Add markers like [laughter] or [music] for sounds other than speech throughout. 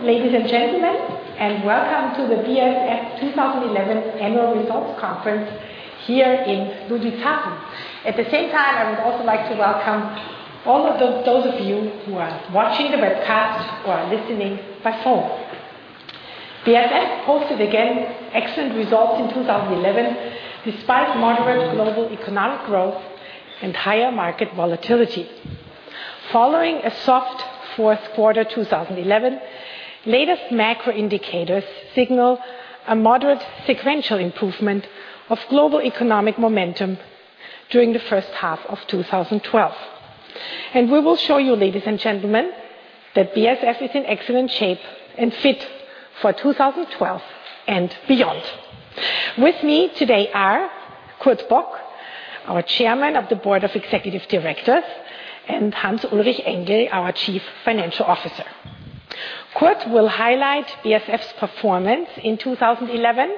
Good afternoon, ladies and gentlemen, and welcome to the BASF 2011 annual results conference here in Ludwigshafen. At the same time, I would also like to welcome all of those of you who are watching the webcast or are listening by phone. BASF posted again excellent results in 2011, despite moderate global economic growth and higher market volatility. Following a soft fourth quarter 2011, latest macro indicators signal a moderate sequential improvement of global economic momentum during the first half of 2012. We will show you, ladies and gentlemen, that BASF is in excellent shape and fit for 2012 and beyond. With me today are Kurt Bock, our Chairman of the Board of Executive Directors, and Hans-Ulrich Engel, our Chief Financial Officer. Kurt Bock will highlight BASF's performance in 2011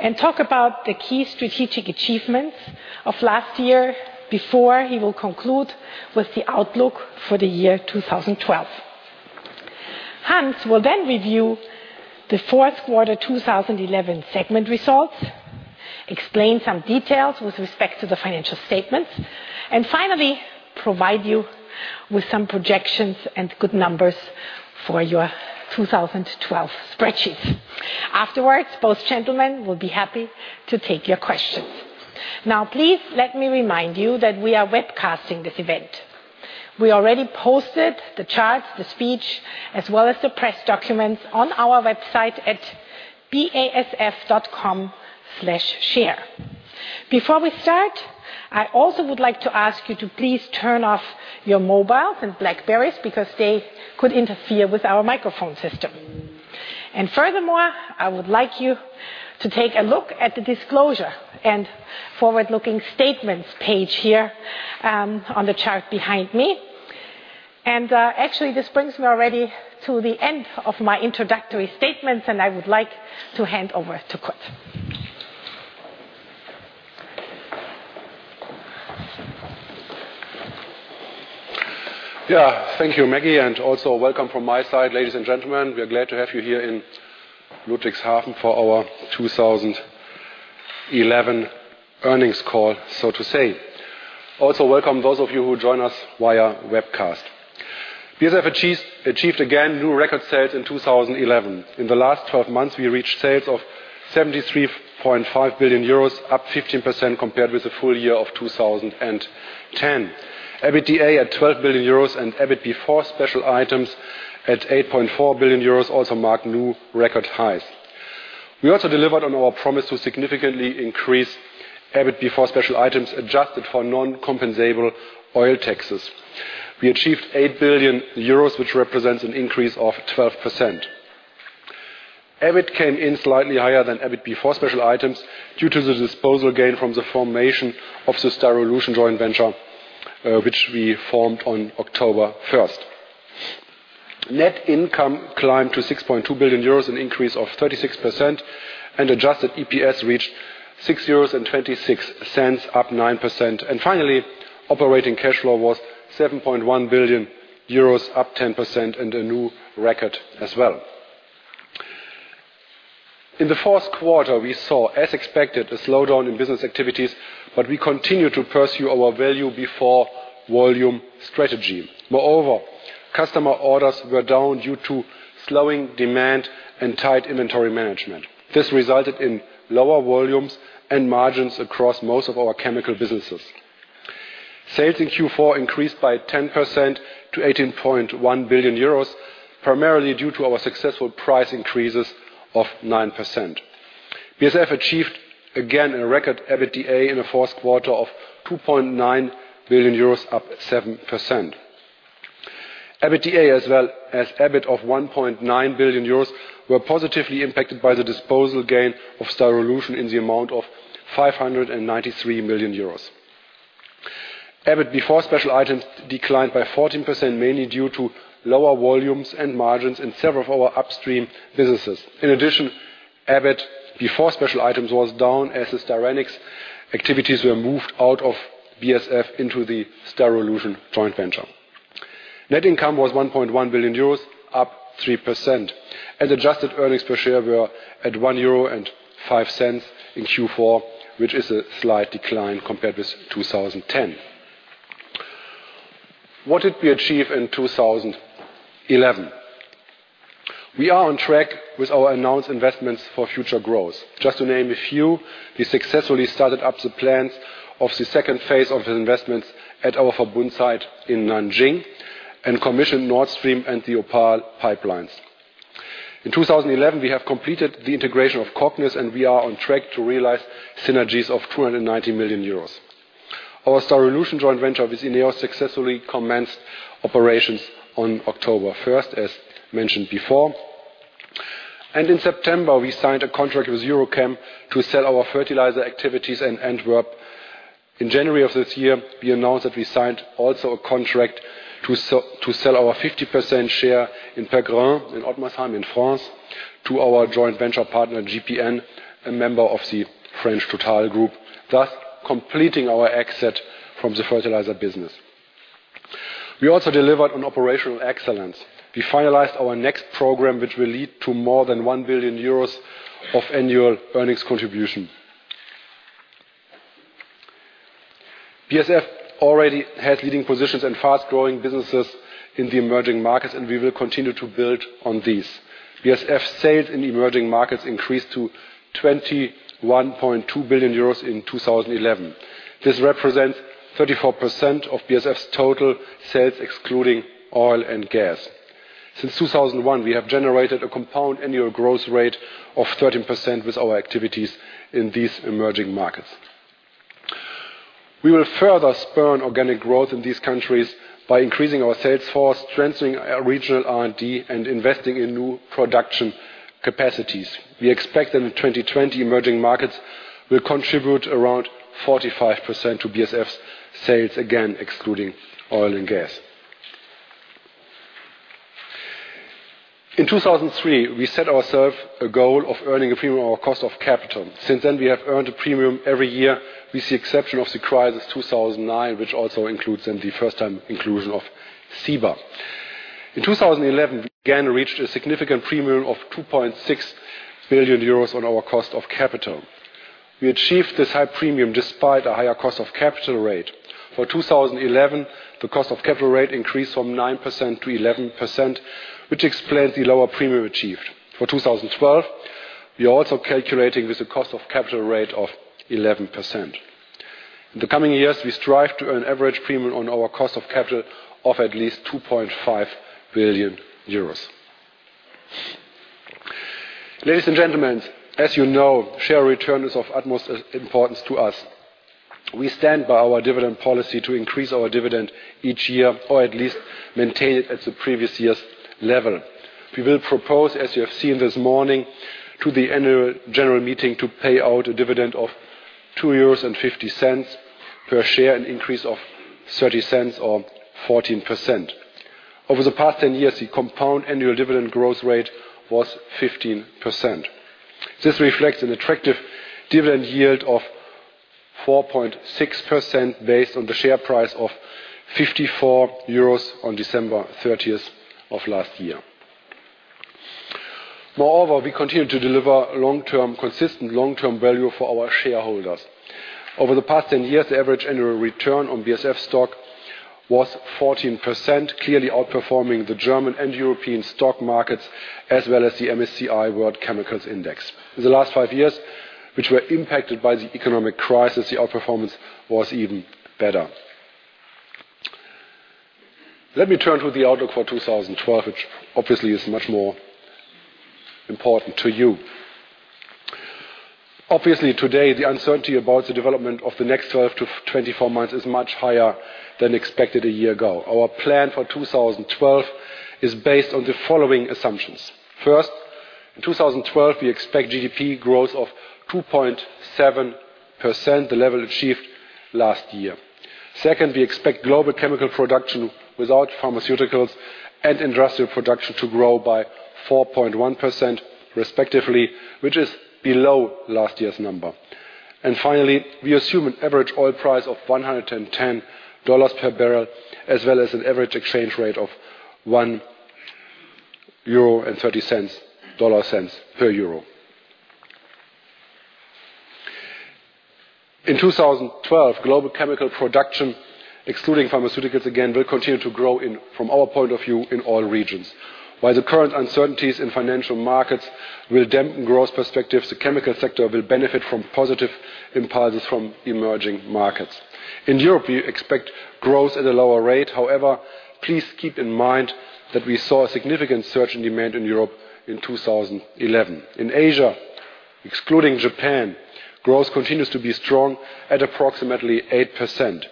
and talk about the key strategic achievements of last year before he will conclude with the outlook for the year 2012. Hans-Ulrich Engel will then review the fourth quarter 2011 segment results, explain some details with respect to the financial statements, and finally provide you with some projections and good numbers for your 2012 spreadsheet. Afterwards, both gentlemen will be happy to take your questions. Now, please let me remind you that we are webcasting this event. We already posted the charts, the speech, as well as the press documents on our website at basf.com/share. Before we start, I also would like to ask you to please turn off your mobiles and BlackBerries because they could interfere with our microphone system. Furthermore, I would like you to take a look at the disclosure and forward-looking statements page here, on the chart behind me. Actually, this brings me already to the end of my introductory statements, and I would like to hand over to Kurt. Yeah. Thank you, Maggie, and also welcome from my side, ladies and gentlemen. We are glad to have you here in Ludwigshafen for our 2011 earnings call, so to say. Also, welcome those of you who join us via webcast. BASF achieved again new record sales in 2011. In the last 12 months, we reached sales of 73.5 billion euros, up 15% compared with the full year of 2010. EBITDA at 12 billion euros and EBIT before special items at 8.4 billion euros also marked new record highs. We also delivered on our promise to significantly increase EBIT before special items adjusted for non-compensable oil taxes. We achieved 8 billion euros, which represents an increase of 12%. EBIT came in slightly higher than EBIT before special items due to the disposal gain from the formation of the Styrolution joint venture, which we formed on October 1st. Net income climbed to 6.2 billion euros, an increase of 36%, and adjusted EPS reached 6.26 euros, up 9%. Finally, operating cash flow was 7.1 billion euros, up 10% and a new record as well. In the fourth quarter, we saw, as expected, a slowdown in business activities, but we continued to pursue our value before volume strategy. Moreover, customer orders were down due to slowing demand and tight inventory management. This resulted in lower volumes and margins across most of our chemical businesses. Sales in Q4 increased by 10% to 18.1 billion euros, primarily due to our successful price increases of 9%. BASF achieved again a record EBITDA in the fourth quarter of 2.9 billion euros, up 7%. EBITDA as well as EBIT of 1.9 billion euros were positively impacted by the disposal gain of Styrolution in the amount of 593 million euros. EBIT before special items declined by 14%, mainly due to lower volumes and margins in several of our upstream businesses. In addition, EBIT before special items was down as the styrenics activities were moved out of BASF into the Styrolution joint venture. Net income was 1.1 billion euros, up 3%, and adjusted earnings per share were at 1.05 euro in Q4, which is a slight decline compared with 2010. What did we achieve in 2011? We are on track with our announced investments for future growth. Just to name a few, we successfully started up the plants of the second phase of the investments at our Verbund site in Nanjing and commissioned Nord Stream and the OPAL pipelines. In 2011, we have completed the integration of Cognis, and we are on track to realize synergies of 290 million euros. Our Styrolution joint venture with Ineos successfully commenced operations on October 1st, as mentioned before. In September, we signed a contract with EuroChem to sell our fertilizer activities in Antwerp. In January of this year, we announced that we also signed a contract to sell our 50% share in PEC-Rhin in Ottmarsheim in France to our joint venture partner GPN, a member of the French Total group, thus completing our exit from the fertilizer business. We also delivered on operational excellence. We finalized our next program, which will lead to more than 1 billion euros of annual earnings contribution. BASF already has leading positions and fast-growing businesses in the emerging markets, and we will continue to build on these. BASF sales in emerging markets increased to 21.2 billion euros in 2011. This represents 34% of BASF's total sales, excluding oil and gas. Since 2001, we have generated a compound annual growth rate of 13% with our activities in these emerging markets. We will further spur organic growth in these countries by increasing our sales force, strengthening our regional R&D, and investing in new production capacities. We expect that in 2020, emerging markets will contribute around 45% to BASF's sales, again excluding oil and gas. In 2003, we set ourselves a goal of earning a premium on our cost of capital. Since then, we have earned a premium every year with the exception of the crisis 2009, which also included the first-time inclusion of Ciba. In 2011, we again reached a significant premium of 2.6 billion euros on our cost of capital. We achieved this high premium despite a higher cost of capital rate. For 2011, the cost of capital rate increased from 9%-11%, which explains the lower premium achieved. For 2012, we are also calculating with a cost of capital rate of 11%. In the coming years, we strive to earn an average premium on our cost of capital of at least 2.5 billion euros. Ladies and gentlemen, as you know, share return is of utmost importance to us. We stand by our dividend policy to increase our dividend each year, or at least maintain it at the previous year's level. We will propose, as you have seen this morning, to the annual general meeting to pay out a dividend of 2.50 euros per share, an increase of 0.30 or 14%. Over the past 10 years, the compound annual dividend growth rate was 15%. This reflects an attractive dividend yield of 4.6% based on the share price of 54 euros on December 30th of last year. Moreover, we continue to deliver consistent long-term value for our shareholders. Over the past 10 years, the average annual return on BASF stock was 14%, clearly outperforming the German and European stock markets, as well as the MSCI World Chemicals Index. In the last five years, which were impacted by the economic crisis, the outperformance was even better. Let me turn to the outlook for 2012, which obviously is much more important to you. Obviously, today, the uncertainty about the development of the next 12-24 months is much higher than expected a year ago. Our plan for 2012 is based on the following assumptions. First, in 2012, we expect GDP growth of 2.7%, the level achieved last year. Second, we expect global chemical production without pharmaceuticals and industrial production to grow by 4.1% respectively, which is below last year's number. Finally, we assume an average oil price of $110 per barrel, as well as an average exchange rate of $1.30 per euro. In 2012, global chemical production, excluding pharmaceuticals again, will continue to grow in, from our point of view, in all regions. While the current uncertainties in financial markets will dampen growth perspectives, the chemical sector will benefit from positive impulses from emerging markets. In Europe, we expect growth at a lower rate. However, please keep in mind that we saw a significant surge in demand in Europe in 2011. In Asia, excluding Japan, growth continues to be strong at approximately 8%.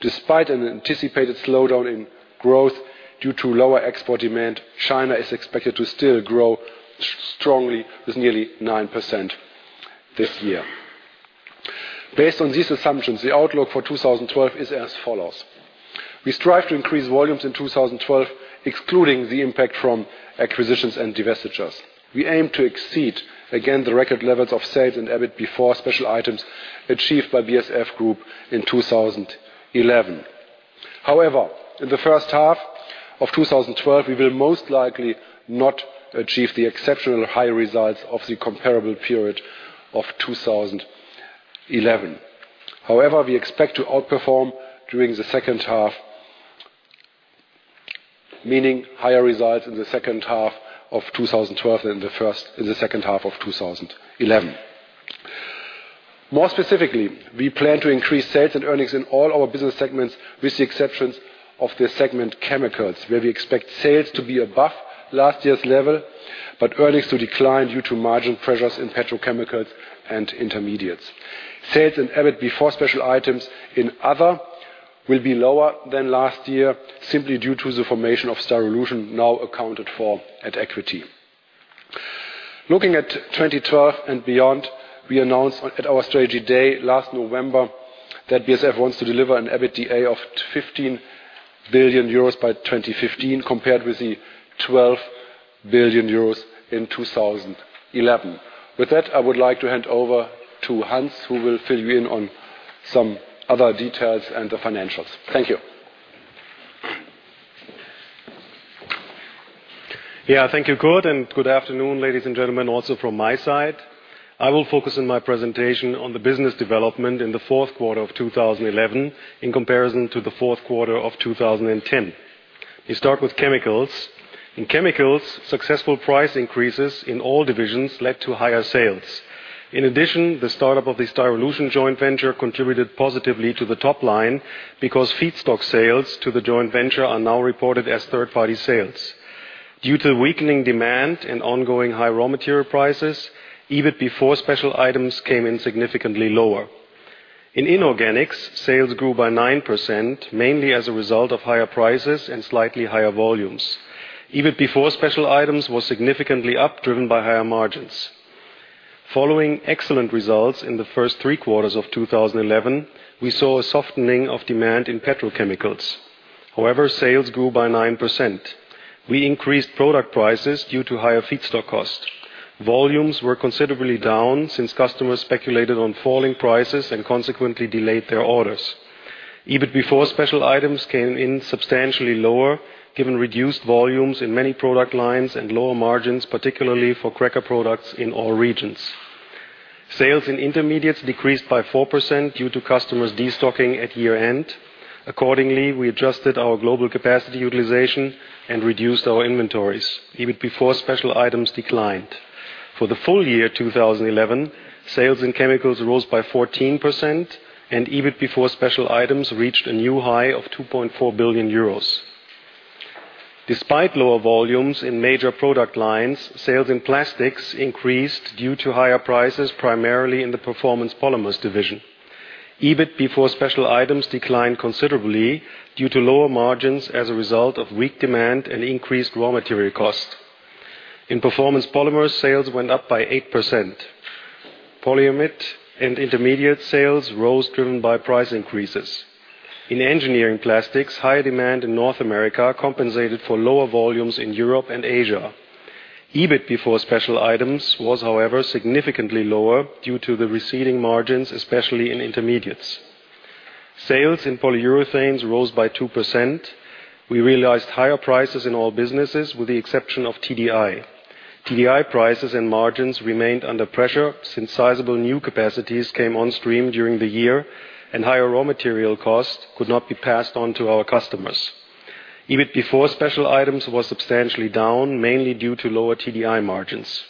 Despite an anticipated slowdown in growth due to lower export demand, China is expected to still grow strongly with nearly 9% this year. Based on these assumptions, the outlook for 2012 is as follows. We strive to increase volumes in 2012, excluding the impact from acquisitions and divestitures. We aim to exceed again the record levels of sales and EBIT before special items achieved by BASF Group in 2011. However, in the first half of 2012, we will most likely not achieve the exceptional high results of the comparable period of 2011. However, we expect to outperform during the second half, meaning higher results in the second half of 2012 than in the second half of 2011. More specifically, we plan to increase sales and earnings in all our business segments, with the exceptions of the segment Chemicals, where we expect sales to be above last year's level, but earnings to decline due to margin pressures in petrochemicals and intermediates. Sales and EBIT before special items in Other will be lower than last year simply due to the formation of Styrolution now accounted for at equity. Looking at 2012 and beyond, we announced at our strategy day last November that BASF wants to deliver an EBITDA of 15 billion euros by 2015 compared with the 12 billion euros in 2011. With that, I would like to hand over to Hans, who will fill you in on some other details and the financials. Thank you. Yeah. Thank you, Kurt. Good afternoon, ladies and gentlemen, also from my side. I will focus on my presentation on the business development in the fourth quarter of 2011 in comparison to the fourth quarter of 2010. We start with Chemicals. In Chemicals, successful price increases in all divisions led to higher sales. In addition, the start of the Styrolution joint venture contributed positively to the top line because feedstock sales to the joint venture are now reported as third-party sales. Due to weakening demand and ongoing high raw material prices, EBIT before special items came in significantly lower. In Inorganics, sales grew by 9%, mainly as a result of higher prices and slightly higher volumes. EBIT before special items was significantly up, driven by higher margins. Following excellent results in the first three quarters of 2011, we saw a softening of demand in petrochemicals. However, sales grew by 9%. We increased product prices due to higher feedstock costs. Volumes were considerably down since customers speculated on falling prices and consequently delayed their orders. EBIT before special items came in substantially lower given reduced volumes in many product lines and lower margins, particularly for cracker products in all regions. Sales in intermediates decreased by 4% due to customers destocking at year-end. Accordingly, we adjusted our global capacity utilization and reduced our inventories. EBIT before special items declined. For the full year 2011, sales in chemicals rose by 14% and EBIT before special items reached a new high of 2.4 billion euros. Despite lower volumes in major product lines, sales in plastics increased due to higher prices, primarily in the Performance Polymers division. EBIT before special items declined considerably due to lower margins as a result of weak demand and increased raw material costs. In Performance Polymers, sales went up by 8%. Polyamide and intermediate sales rose, driven by price increases. In engineering plastics, high demand in North America compensated for lower volumes in Europe and Asia. EBIT before special items was, however, significantly lower due to the receding margins, especially in intermediates. Sales in polyurethanes rose by 2%. We realized higher prices in all businesses with the exception of TDI. TDI prices and margins remained under pressure since sizable new capacities came on stream during the year and higher raw material costs could not be passed on to our customers. EBIT before special items was substantially down, mainly due to lower TDI margins.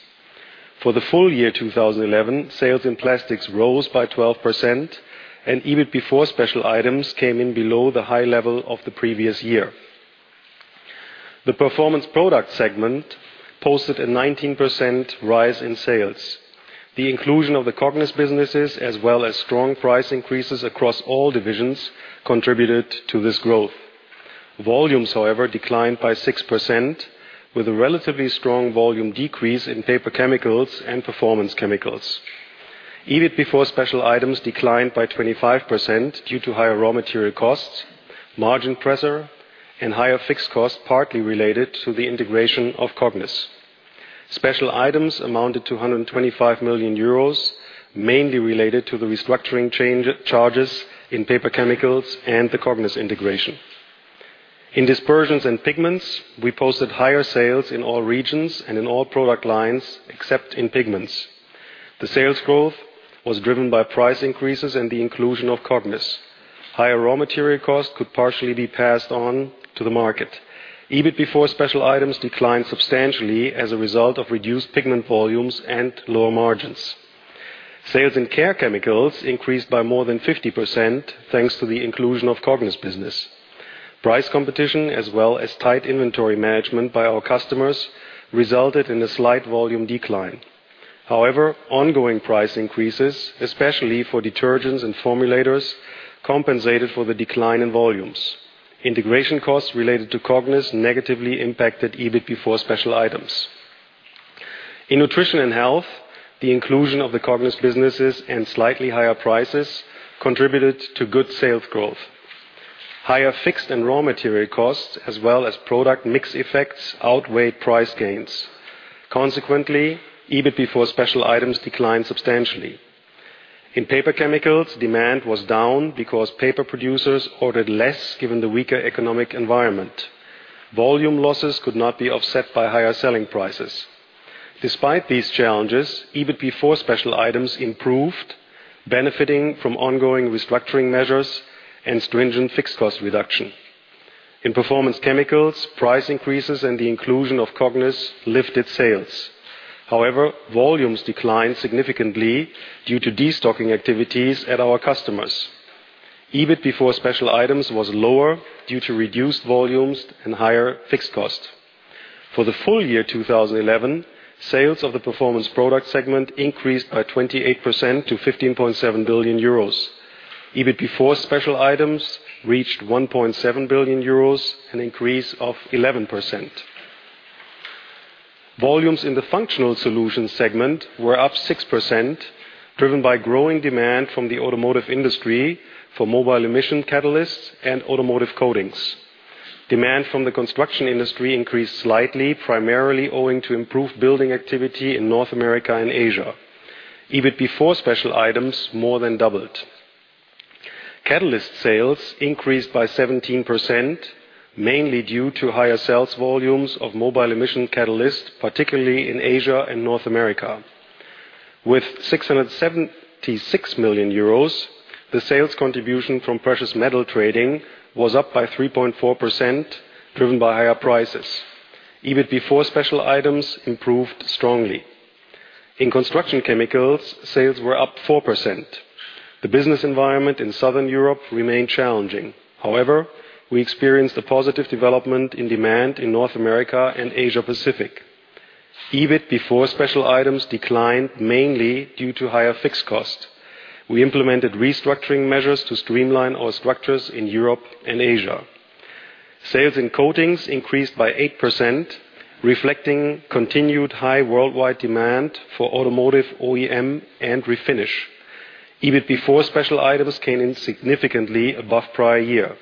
For the full year 2011, sales in plastics rose by 12% and EBIT before special items came in below the high level of the previous year. The Performance Products segment posted a 19% rise in sales. The inclusion of the Cognis businesses as well as strong price increases across all divisions contributed to this growth. Volumes, however, declined by 6% with a relatively strong volume decrease in paper chemicals and performance chemicals. EBIT before special items declined by 25% due to higher raw material costs, margin pressure and higher fixed costs partly related to the integration of Cognis. Special items amounted to 125 million euros, mainly related to the restructuring charges in paper chemicals and the Cognis integration. In Dispersions and Pigments, we posted higher sales in all regions and in all product lines except in pigments. The sales growth was driven by price increases and the inclusion of Cognis. Higher raw material costs could partially be passed on to the market. EBIT before special items declined substantially as a result of reduced pigment volumes and lower margins. Sales in Care Chemicals increased by more than 50% thanks to the inclusion of Cognis business. Price competition as well as tight inventory management by our customers resulted in a slight volume decline. However, ongoing price increases, especially for detergents and formulators, compensated for the decline in volumes. Integration costs related to Cognis negatively impacted EBIT before special items. In Nutrition and Health, the inclusion of the Cognis businesses and slightly higher prices contributed to good sales growth. Higher fixed and raw material costs, as well as product mix effects, outweighed price gains. Consequently, EBIT before special items declined substantially. In paper chemicals, demand was down because paper producers ordered less given the weaker economic environment. Volume losses could not be offset by higher selling prices. Despite these challenges, EBIT before special items improved, benefiting from ongoing restructuring measures and stringent fixed cost reduction. In Performance Chemicals, price increases and the inclusion of Cognis lifted sales. However, volumes declined significantly due to destocking activities at our customers. EBIT before special items was lower due to reduced volumes and higher fixed costs. For the full year 2011, sales of the Performance Products segment increased by 28% to 15.7 billion euros. EBIT before special items reached 1.7 billion euros, an increase of 11%. Volumes in the Functional Solutions segment were up 6% driven by growing demand from the automotive industry for mobile emission catalysts and automotive coatings. Demand from the construction industry increased slightly, primarily owing to improved building activity in North America and Asia. EBIT before special items more than doubled. Catalyst sales increased by 17% mainly due to higher sales volumes of mobile emission catalyst, particularly in Asia and North America. With 676 million euros, the sales contribution from precious metal trading was up by 3.4% driven by higher prices. EBIT before special items improved strongly. In construction chemicals, sales were up 4%. The business environment in Southern Europe remained challenging. However, we experienced a positive development in demand in North America and Asia-Pacific. EBIT before special items declined mainly due to higher fixed costs. We implemented restructuring measures to streamline our structures in Europe and Asia. Sales in Coatings increased by 8%, reflecting continued high worldwide demand for automotive OEM and refinish. EBIT before special items came in significantly above prior year.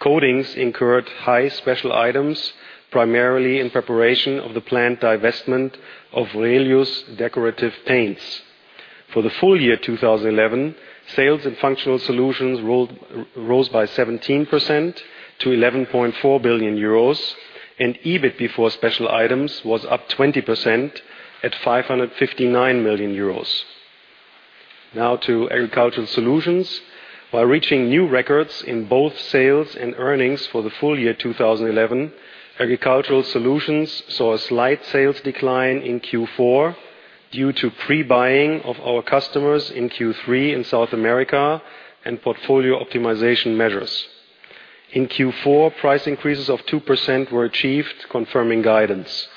Coatings incurred high special items, primarily in preparation of the planned divestment of Relius Decorative Paints. For the full year 2011, sales in Functional Solutions rose by 17% to 11.4 billion euros and EBIT before special items was up 20% at 559 million euros. Now to Agricultural Solutions. While reaching new records in both sales and earnings for the full year 2011, Agricultural Solutions saw a slight sales decline in Q4 due to pre-buying of our customers in Q3 in South America and portfolio optimization measures. In Q4, price increases of 2% were achieved, confirming guidance.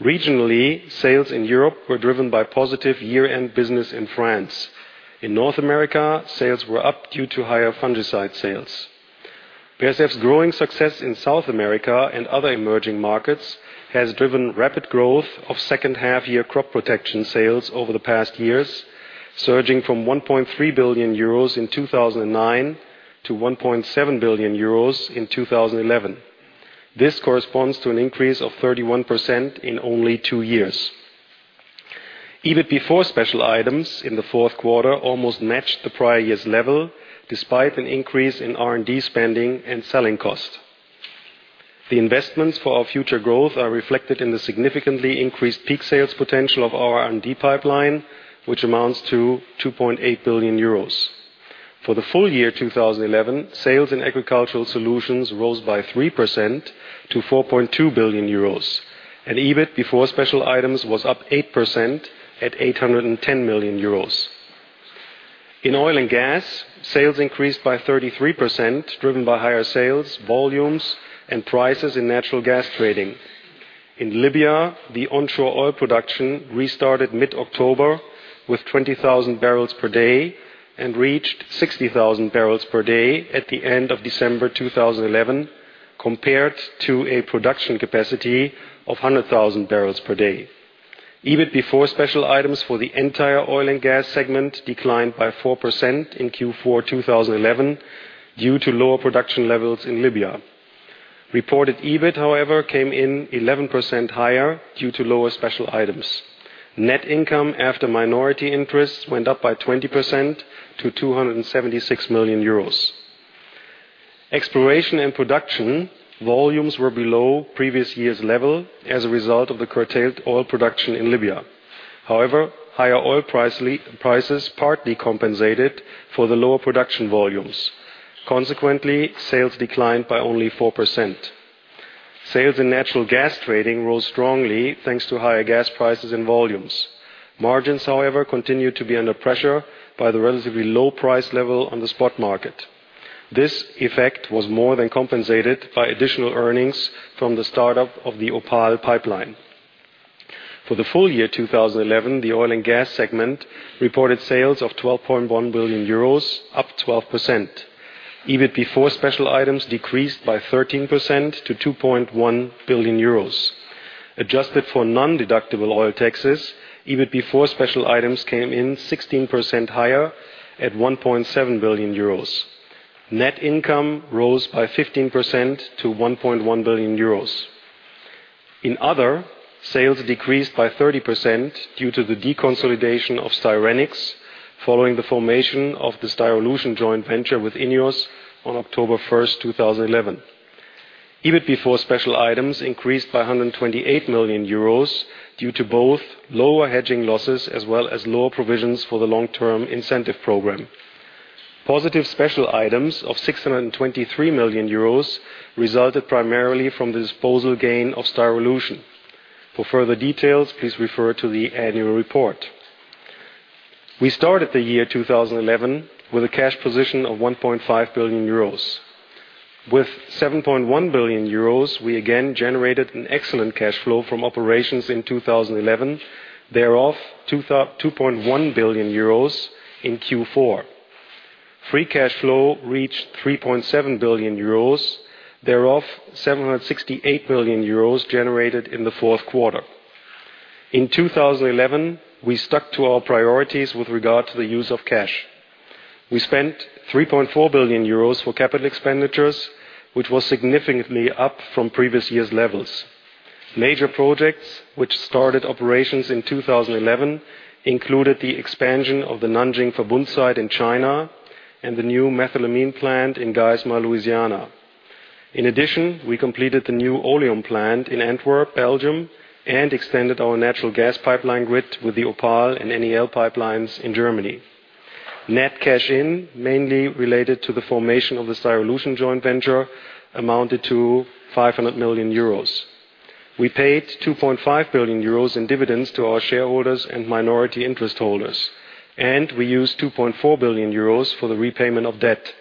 Regionally, sales in Europe were driven by positive year-end business in France. In North America, sales were up due to higher fungicide sales. BASF's growing success in South America and other emerging markets has driven rapid growth of second half year crop protection sales over the past years, surging from 1.3 billion euros in 2009 to 1.7 billion euros in 2011. This corresponds to an increase of 31% in only two years. EBIT before special items in the fourth quarter almost matched the prior year's level despite an increase in R&D spending and selling costs. The investments for our future growth are reflected in the significantly increased peak sales potential of our R&D pipeline, which amounts to 2.8 billion euros. For the full year 2011, sales in Agricultural Solutions rose by 3% to 4.2 billion euros. EBIT before special items was up 8% at 810 million euros. In Oil and Gas, sales increased by 33% driven by higher sales volumes and prices in natural gas trading. In Libya, the onshore oil production restarted mid-October with 20,000 barrels per day and reached 60,000 barrels per day at the end of December 2011 compared to a production capacity of 100,000 barrels per day. EBIT before special items for the entire oil and gas segment declined by 4% in Q4 2011 due to lower production levels in Libya. Reported EBIT, however, came in 11% higher due to lower special items. Net income after minority interests went up by 20% to 276 million euros. Exploration and Production volumes were below previous year's level as a result of the curtailed oil production in Libya. However, higher oil prices partly compensated for the lower production volumes. Consequently, sales declined by only 4%. Sales in Natural Gas Trading rose strongly thanks to higher gas prices and volumes. Margins, however, continued to be under pressure by the relatively low price level on the spot market. This effect was more than compensated by additional earnings from the startup of the OPAL pipeline. For the full year 2011, the Oil and Gas segment reported sales of 12.1 billion euros, up 12%. EBIT before special items decreased by 13% to 2.1 billion euros. Adjusted for nondeductible oil taxes, EBIT before special items came in 16% higher at 1.7 billion euros. Net income rose by 15% to 1.1 billion euros. In other, sales decreased by 30% due to the deconsolidation of Styrenics following the formation of the Styrolution joint venture with INEOS on October 1st, 2011. EBIT before special items increased by 128 million euros due to both lower hedging losses as well as lower provisions for the long-term incentive program. Positive special items of 623 million euros resulted primarily from the disposal gain of Styrolution. For further details, please refer to the annual report. We started the year 2011 with a cash position of 1.5 billion euros. With 7.1 billion euros, we again generated an excellent cash flow from operations in 2011. Thereof, 2.1 billion euros in Q4. Free cash flow reached 3.7 billion euros, thereof 768 million euros generated in the fourth quarter. In 2011, we stuck to our priorities with regard to the use of cash. We spent 3.4 billion euros for capital expenditures, which was significantly up from previous year's levels. Major projects which started operations in 2011 included the expansion of the Nanjing Verbund site in China and the new methylamine plant in Geismar, Louisiana. In addition, we completed the new oleum plant in Antwerp, Belgium, and extended our natural gas pipeline grid with the OPAL and NEL pipelines in Germany. Net cash in, mainly related to the formation of the Styrolution joint venture, amounted to 500 million euros. We paid 2.5 billion euros in dividends to our shareholders and minority interest holders, and we used 2.4 billion euros for the repayment of debt.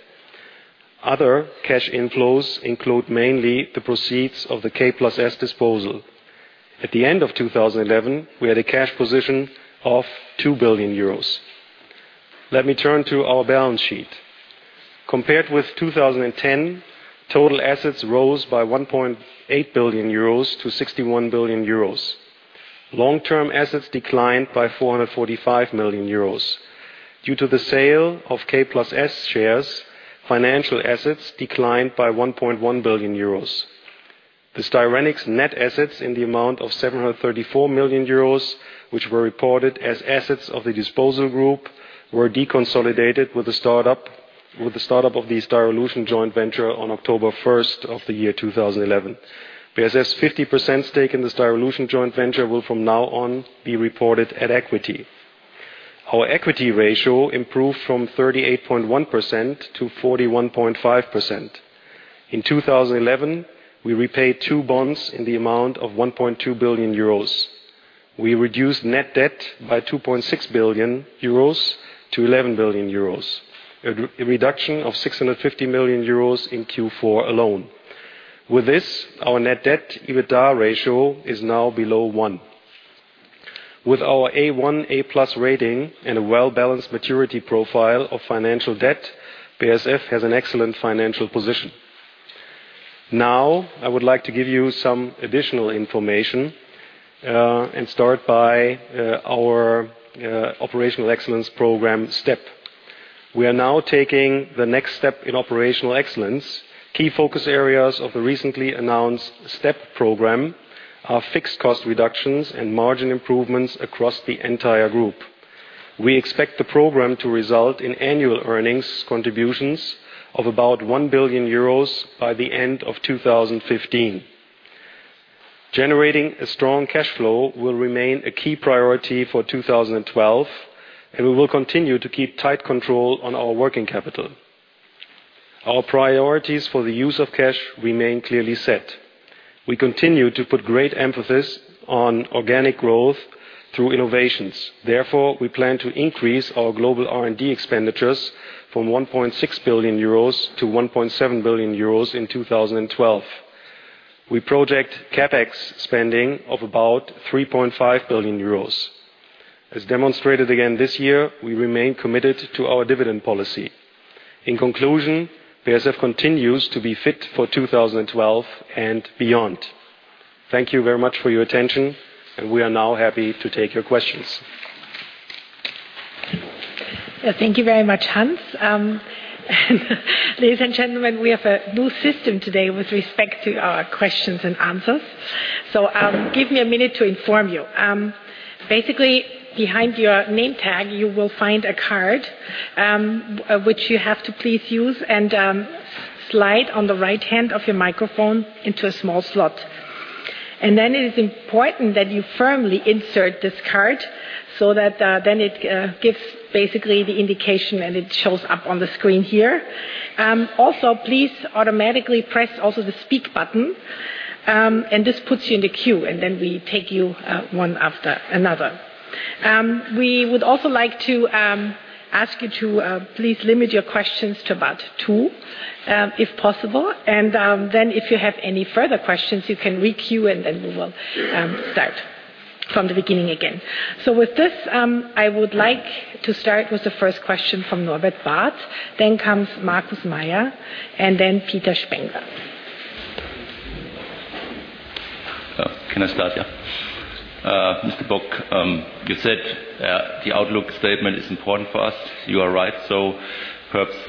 Other cash inflows include mainly the proceeds of the K+S disposal. At the end of 2011, we had a cash position of 2 billion euros. Let me turn to our balance sheet. Compared with 2010, total assets rose by 1.8 billion euros to 61 billion euros. Long-term assets declined by 445 million euros. Due to the sale of K+S shares, financial assets declined by 1.1 billion euros. The Styrenics net assets in the amount of 734 million euros, which were reported as assets of the disposal group, were deconsolidated with the startup of the Styrolution joint venture on October 1st, 2011. BASF's 50% stake in the Styrolution joint venture will from now on be reported at equity. Our equity ratio improved from 38.1%-41.5%. In 2011, we repaid two bonds in the amount of 1.2 billion euros. We reduced net debt by 2.6 billion-11 billion euros, a reduction of 650 million euros in Q4 alone. With this, our net debt EBITDA ratio is now below one. With our A1/A+ rating and a well-balanced maturity profile of financial debt, BASF has an excellent financial position. Now I would like to give you some additional information and start by our Operational Excellence Program, STEP. We are now taking the next step in operational excellence. Key focus areas of the recently announced STEP program are fixed cost reductions and margin improvements across the entire group. We expect the program to result in annual earnings contributions of about 1 billion euros by the end of 2015. Generating a strong cash flow will remain a key priority for 2012, and we will continue to keep tight control on our working capital. Our priorities for the use of cash remain clearly set. We continue to put great emphasis on organic growth through innovations. Therefore, we plan to increase our global R&D expenditures from 1.6 billion-1.7 billion euros in 2012. We project CapEx spending of about 3.5 billion euros. As demonstrated again this year, we remain committed to our dividend policy. In conclusion, BASF continues to be fit for 2012 and beyond. Thank you very much for your attention, and we are now happy to take your questions. Yeah, thank you very much, Hans. Ladies and gentlemen, we have a new system today with respect to our questions and answers. Give me a minute to inform you. Basically, behind your name tag, you will find a card, which you have to please use and slide on the right-hand of your microphone into a small slot. Then it is important that you firmly insert this card so that then it gives basically the indication, and it shows up on the screen here. Also please automatically press also the speak button, and this puts you in the queue, and then we take you one after another. We would also like to ask you to please limit your questions to about two, if possible. If you have any further questions, you can re-queue, and then we will start from the beginning again. With this, I would like to start with the first question from Norbert Barth. Comes Markus Mayer, and then Peter Spengler. Can I start? Yeah. Mr. Bock, you said the outlook statement is important for us. You are right. Perhaps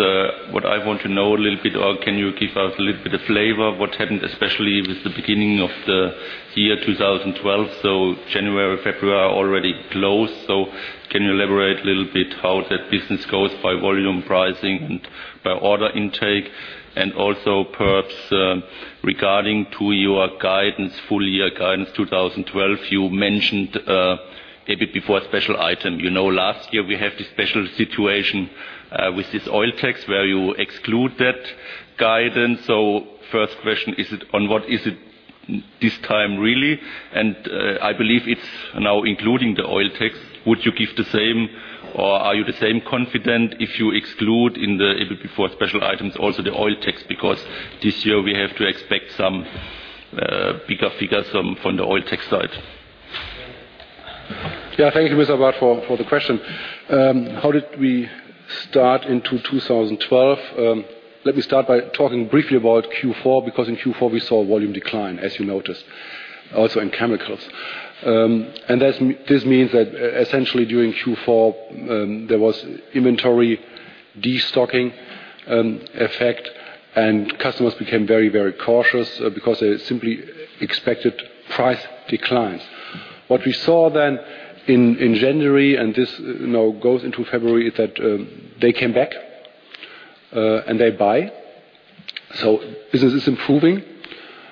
what I want to know a little bit or can you give us a little bit of flavor of what happened, especially with the beginning of the year 2012, so January, February are already closed. Can you elaborate a little bit how that business goes by volume pricing and by order intake? And also perhaps regarding to your guidance, full year guidance 2012, you mentioned EBIT before special item. You know, last year we have the special situation with this oil tax where you exclude that guidance. First question, is it on what is it this time really? And I believe it's now including the oil tax. Would you give the same or are you the same confident if you exclude in the EBIT before special items also the oil tax? Because this year we have to expect some bigger figures from the oil tax side. Yeah, thank you, Mr. Barth, for the question. How did we start into 2012? Let me start by talking briefly about Q4, because in Q4 we saw volume decline, as you noticed, also in chemicals. That means that essentially during Q4, there was inventory destocking effect, and customers became very cautious because they simply expected price declines. What we saw then in January, and this, you know, goes into February, is that they came back and they buy. Business is improving.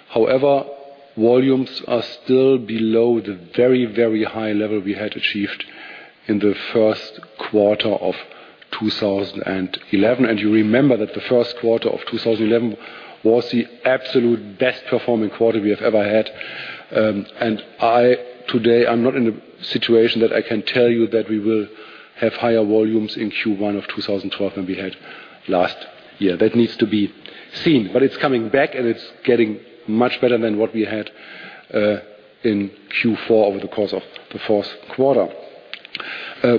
However, volumes are still below the very high level we had achieved in the first quarter of 2011. You remember that the first quarter of 2011 was the absolute best performing quarter we have ever had. I today, I'm not in a situation that I can tell you that we will have higher volumes in Q1 of 2012 than we had last year. That needs to be seen. It's coming back, and it's getting much better than what we had in Q4 over the course of the fourth quarter.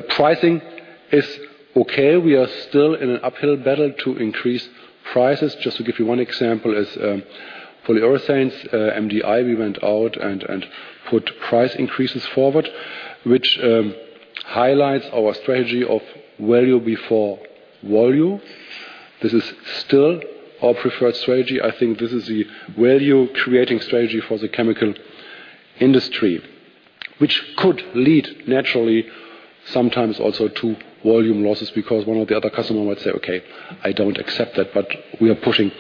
Pricing is okay. We are still in an uphill battle to increase prices. Just to give you one example is polyurethanes, MDI, we went out and put price increases forward, which highlights our strategy of value before volume. This is still our preferred strategy. I think this is the value-creating strategy for the chemical industry, which could lead naturally sometimes also to volume losses because one or the other customer might say, "Okay, I don't accept that," but we are pushing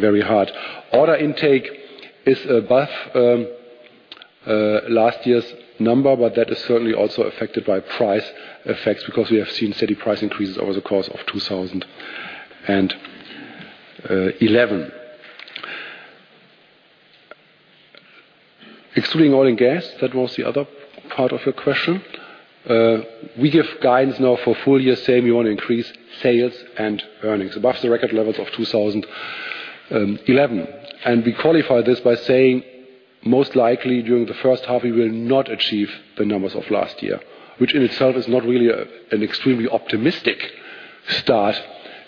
very hard. Order intake is above last year's number, but that is certainly also affected by price effects because we have seen steady price increases over the course of 2011. Excluding Oil and Gas, that was the other part of your question, we give guidance now for full year saying we want to increase sales and earnings above the record levels of 2011. We qualify this by saying most likely during the first half, we will not achieve the numbers of last year, which in itself is not really an extremely optimistic start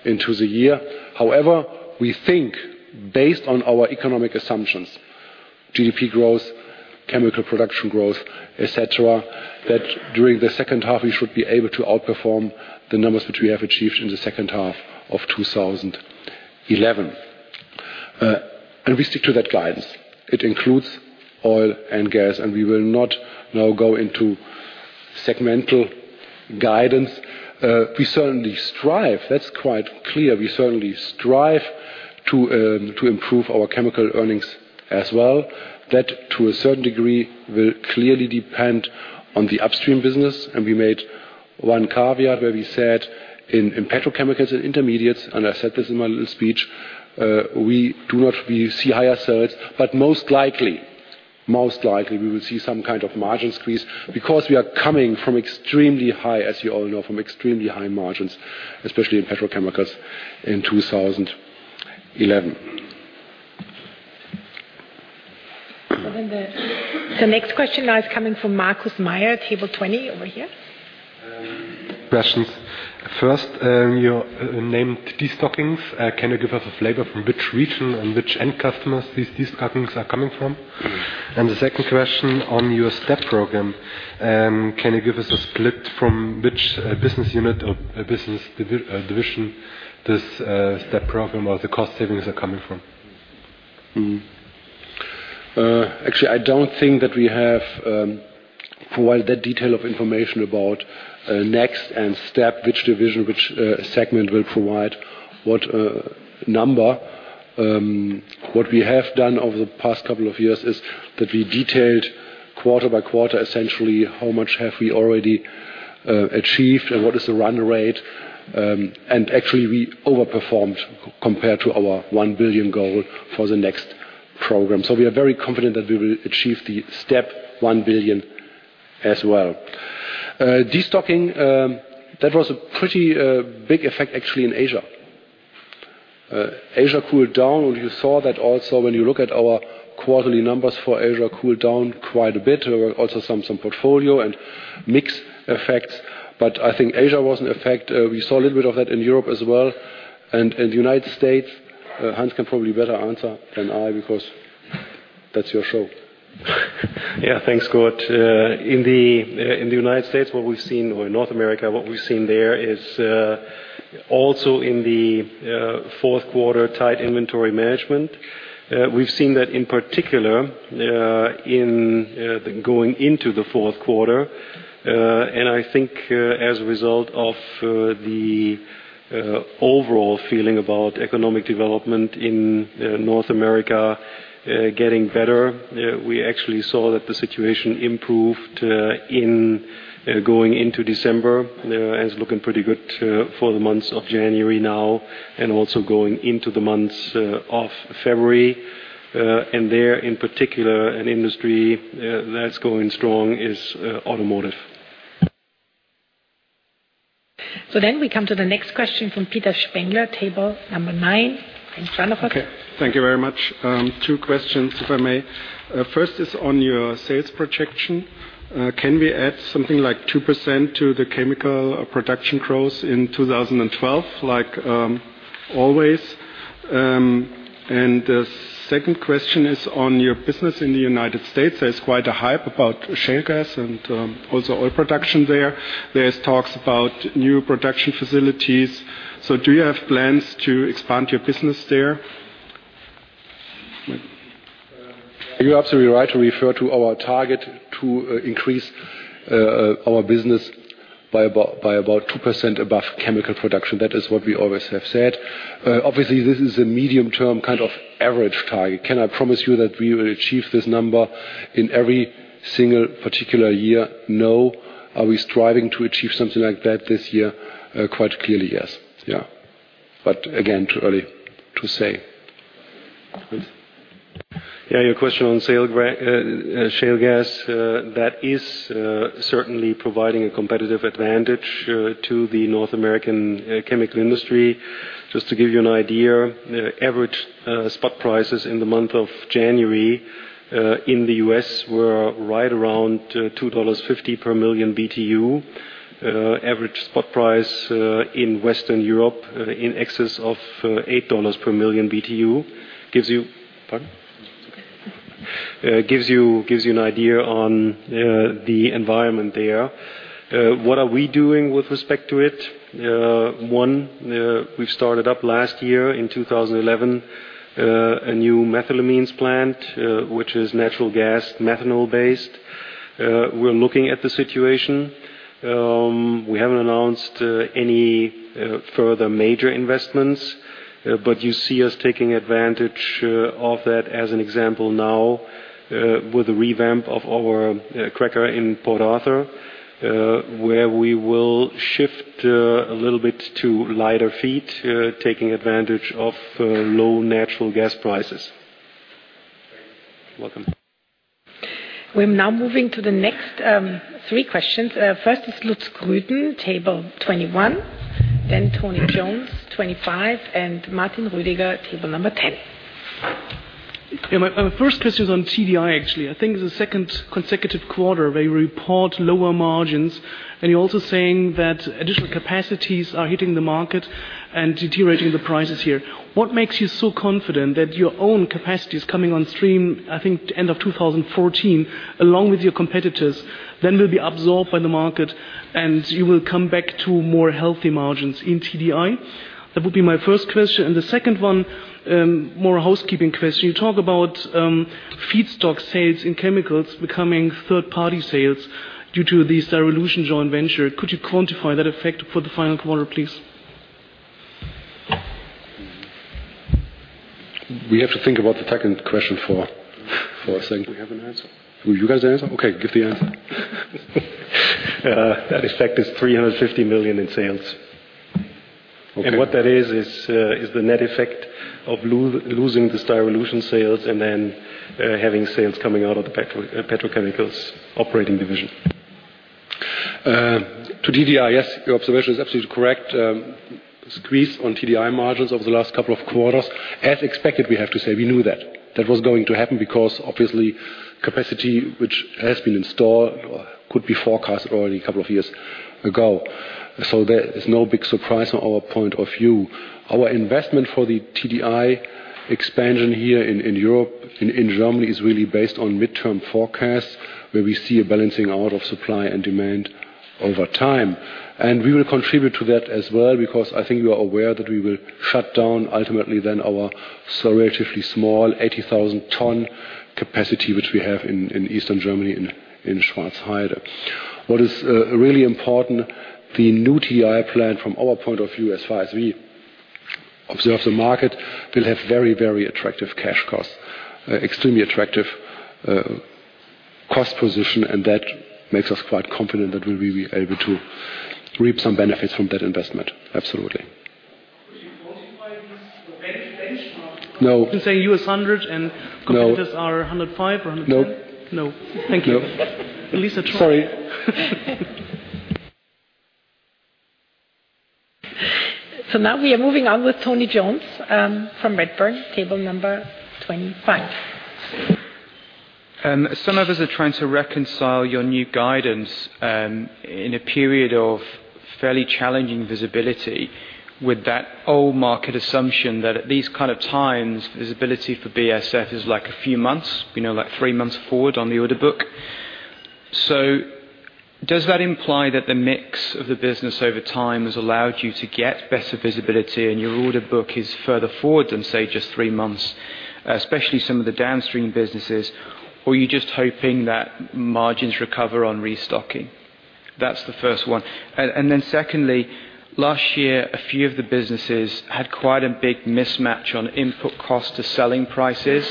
into the year. However, we think based on our economic assumptions, GDP growth, chemical production growth, et cetera, that during the second half we should be able to outperform the numbers which we have achieved in the second half of 2011. We stick to that guidance. It includes Oil and Gas, and we will not now go into segmental guidance. We certainly strive, that's quite clear, to improve our chemical earnings as well. That, to a certain degree, will clearly depend on the upstream business. We made one caveat where we said in petrochemical and intermediates, and I said this in my little speech, we see higher sales, but most likely, we will see some kind of margin squeeze because we are coming from extremely high margins, as you all know, especially in petrochemicals in 2011. The next question now is coming from Markus Mayer, table 20, over here. Questions. First, you named destockings. Can you give us a flavor from which region and which end customers these destockings are coming from? Second question on your STEP program, can you give us a split from which business unit or business division this STEP program or the cost savings are coming from? Actually, I don't think that we have provided that detail of information about NEXT and STEP, which division, which segment will provide what number. What we have done over the past couple of years is that we detailed quarter by quarter, essentially, how much have we already achieved and what is the run rate. Actually, we overperformed compared to our 1 billion goal for the NEXT program. We are very confident that we will achieve the STEP 1 billion as well. Destocking, that was a pretty big effect actually in Asia. Asia cooled down. You saw that also when you look at our quarterly numbers for Asia cooled down quite a bit. There were also some portfolio and mix effects. I think Asia was an effect. We saw a little bit of that in Europe as well and in the United States. Hans can probably better answer than I because that's your show. Yeah, thanks, Kurt. In North America, what we've seen there is also in the fourth quarter tight inventory management. We've seen that in particular in going into the fourth quarter. I think as a result of the overall feeling about economic development in North America getting better, we actually saw that the situation improved in going into December. It's looking pretty good for the months of January now and also going into the months of February. There in particular, an industry that's going strong is automotive. We come to the next question from Peter Spengler, table number nine. In front of us. Okay, thank you very much. Two questions, if I may. First is on your sales projection. Can we add something like 2% to the chemical production growth in 2012, like, always? And the second question is on your business in the United States. There's quite a hype about shale gas and also oil production there. There's talks about new production facilities. Do you have plans to expand your business there? You're absolutely right to refer to our target to increase our business by about 2% above chemical production. That is what we always have said. Obviously, this is a medium-term kind of average target. Can I promise you that we will achieve this number in every single particular year? No. Are we striving to achieve something like that this year? Quite clearly, yes. Yeah. Again, too early to say. Please. Yeah, your question on shale gas, that is certainly providing a competitive advantage to the North American chemical industry. Just to give you an idea, average spot prices in the month of January in the U.S. were right around $2.50 per million BTU. Average spot price in Western Europe in excess of $8 per million BTU. Gives you. Pardon? It's okay. Gives you an idea on the environment there. What are we doing with respect to it? One, we started up last year in 2011, a new methylamines plant, which is natural gas, methanol-based. We're looking at the situation. We haven't announced any further major investments, but you see us taking advantage of that as an example now, with the revamp of our cracker in Port Arthur, where we will shift a little bit to lighter feed, taking advantage of low natural gas prices. [audio distortion] Welcome. We're now moving to the next three questions. First is Lutz Grüten, table 21. Then Tony Jones, 25, and Martin Roediger, table number 10. Yeah, my first question is on TDI, actually. I think it's the second consecutive quarter where you report lower margins, and you're also saying that additional capacities are hitting the market and deteriorating the prices here. What makes you so confident that your own capacities coming on stream, I think end of 2014, along with your competitors, then will be absorbed by the market and you will come back to more healthy margins in TDI? That would be my first question. The second one, more a housekeeping question. You talk about feedstock sales in chemicals becoming third-party sales due to the Styrolution joint venture. Could you quantify that effect for the final quarter, please? We have to think about the second question for a second. We have an answer. Oh, you guys have an answer? Okay, give the answer. That effect is 350 million in sales. Okay. What that is is the net effect of losing the Styrolution sales and then having sales coming out of the petrochemicals operating division. To TDI, yes, your observation is absolutely correct. Squeeze on TDI margins over the last couple of quarters. As expected, we have to say. We knew that. That was going to happen because obviously capacity which has been installed could be forecasted already a couple of years ago. So that is no big surprise on our point of view. Our investment for the TDI expansion here in Europe, in Germany, is really based on midterm forecasts, where we see a balancing out of supply and demand over time. We will contribute to that as well because I think you are aware that we will shut down ultimately then our relatively small 80,000-ton capacity, which we have in Eastern Germany in Schwarzheide. What is really important, the new TI plan from our point of view, as far as we observe the market, will have very, very attractive cash costs. Extremely attractive cost position, and that makes us quite confident that we will be able to reap some benefits from that investment, absolutely. [audio distortion] No. to say $100 and competitors are $105 or $110? No. No. Thank you. No. At least I tried. Sorry. Now we are moving on with Tony Jones from Redburn, table number 25. Some of us are trying to reconcile your new guidance in a period of fairly challenging visibility with that old market assumption that at these kind of times, visibility for BASF is like a few months, you know, like three months forward on the order book. Does that imply that the mix of the business over time has allowed you to get better visibility and your order book is further forward than, say, just three months, especially some of the downstream businesses? Or are you just hoping that margins recover on restocking? That's the first one. And then secondly, last year, a few of the businesses had quite a big mismatch on input cost to selling prices,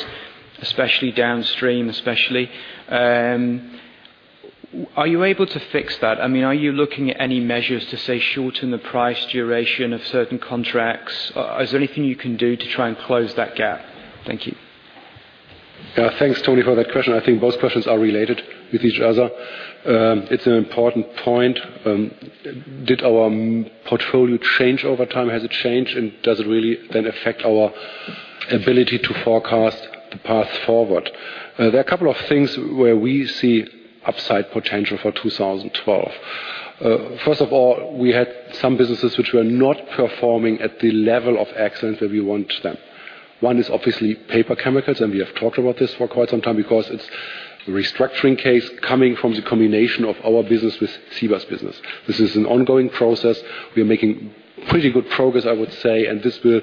especially downstream. Are you able to fix that? I mean, are you looking at any measures to, say, shorten the price duration of certain contracts? Is there anything you can do to try and close that gap? Thank you. Yeah, thanks, Tony, for that question. I think both questions are related with each other. It's an important point. Did our mix portfolio change over time? Has it changed? And does it really then affect our ability to forecast the path forward? There are a couple of things where we see upside potential for 2012. First of all, we had some businesses which were not performing at the level of excellence that we want them. One is obviously paper chemicals, and we have talked about this for quite some time because it's a restructuring case coming from the combination of our business with Ciba's business. This is an ongoing process. We are making pretty good progress, I would say, and this will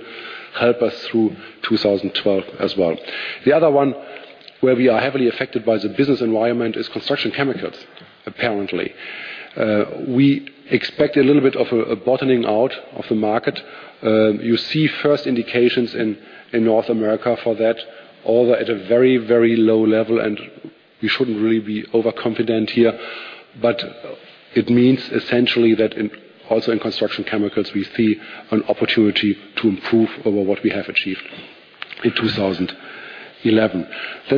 help us through 2012 as well. The other one, where we are heavily affected by the business environment, is construction chemicals, apparently. We expect a little bit of a bottoming out of the market. You see first indications in North America for that, although at a very, very low level, and we shouldn't really be overconfident here. It means essentially that, also in construction chemicals, we see an opportunity to improve over what we have achieved in 2011.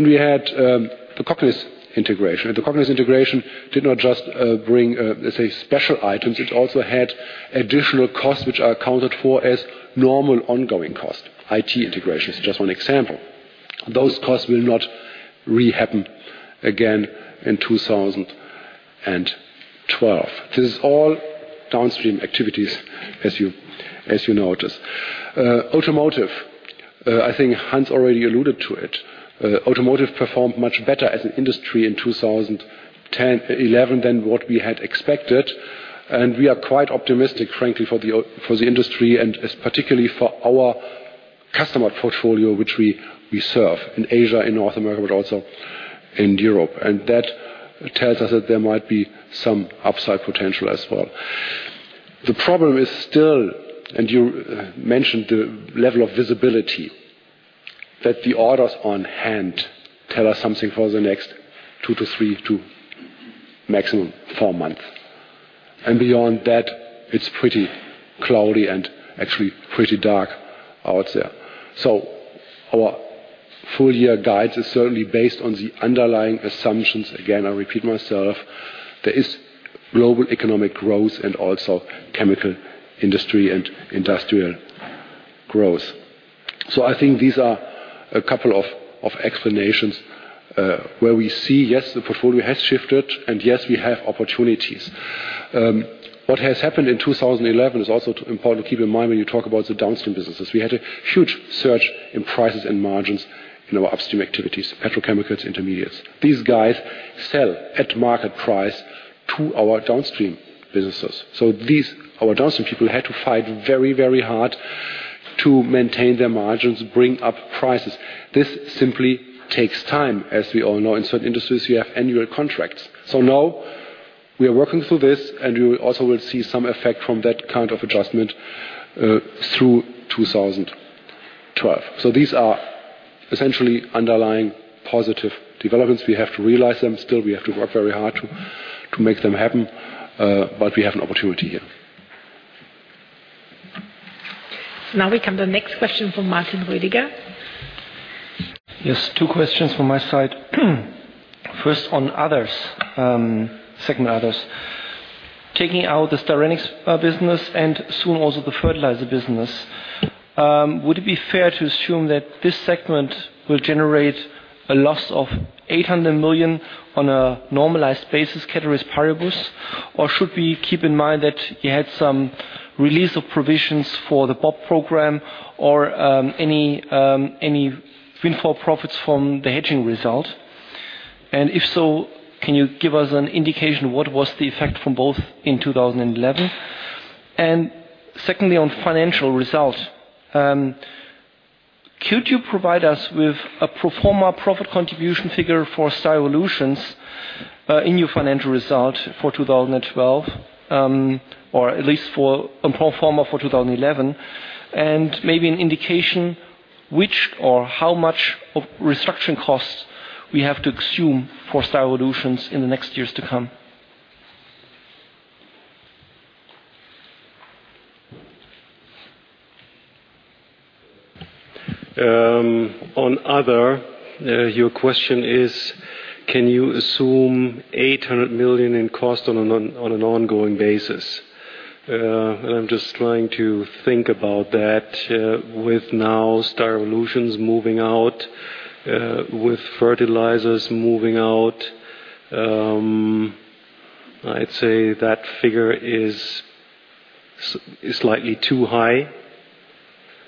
We had the Cognis integration. The Cognis integration did not just bring, let's say, special items, it also had additional costs which are accounted for as normal ongoing costs. IT integration is just one example. Those costs will not rehappen again in 2012. This is all downstream activities as you notice. Automotive, I think Hans already alluded to it. Automotive performed much better as an industry in 2010, 2011 than what we had expected. We are quite optimistic, frankly, for the industry and as particularly for our customer portfolio, which we serve in Asia, in North America, but also in Europe. That tells us that there might be some upside potential as well. The problem is still, and you mentioned the level of visibility, that the orders on hand tell us something for the next two to three to maximum four months. Beyond that, it's pretty cloudy and actually pretty dark out there. Our full year guides are certainly based on the underlying assumptions. Again, I repeat myself, there is global economic growth and also chemical industry and industrial growth. I think these are a couple of explanations where we see, yes, the portfolio has shifted, and yes, we have opportunities. What has happened in 2011 is also too important to keep in mind when you talk about the downstream businesses. We had a huge surge in prices and margins in our upstream activities, petrochemicals, intermediates. These guys sell at market price to our downstream businesses. Our downstream people had to fight very, very hard to maintain their margins, bring up prices. This simply takes time, as we all know. In certain industries, you have annual contracts. Now we are working through this, and we also will see some effect from that kind of adjustment through 2012. These are essentially underlying positive developments. We have to realize them. Still, we have to work very hard to make them happen, but we have an opportunity here. Now we come to the next question from Martin Roediger. Yes, two questions from my side. First, on Others segment. Taking out the Styrenics business and soon also the fertilizer business, would it be fair to assume that this segment will generate a loss of 800 million on a normalized basis, ceteris paribus? Or should we keep in mind that you had some release of provisions for the BOP program or any windfall profits from the hedging result? And if so, can you give us an indication of what was the effect from both in 2011? And secondly, on financial results, could you provide us with a pro forma profit contribution figure for Styrolution in your financial result for 2012, or at least for a pro forma for 2011? Maybe an indication which or how much of restructuring costs we have to assume for Styrolution in the next years to come? On Other, your question is, can you assume 800 million in cost on an ongoing basis? I'm just trying to think about that, with now Styrolution's moving out, with fertilizers moving out. I'd say that figure is slightly too high.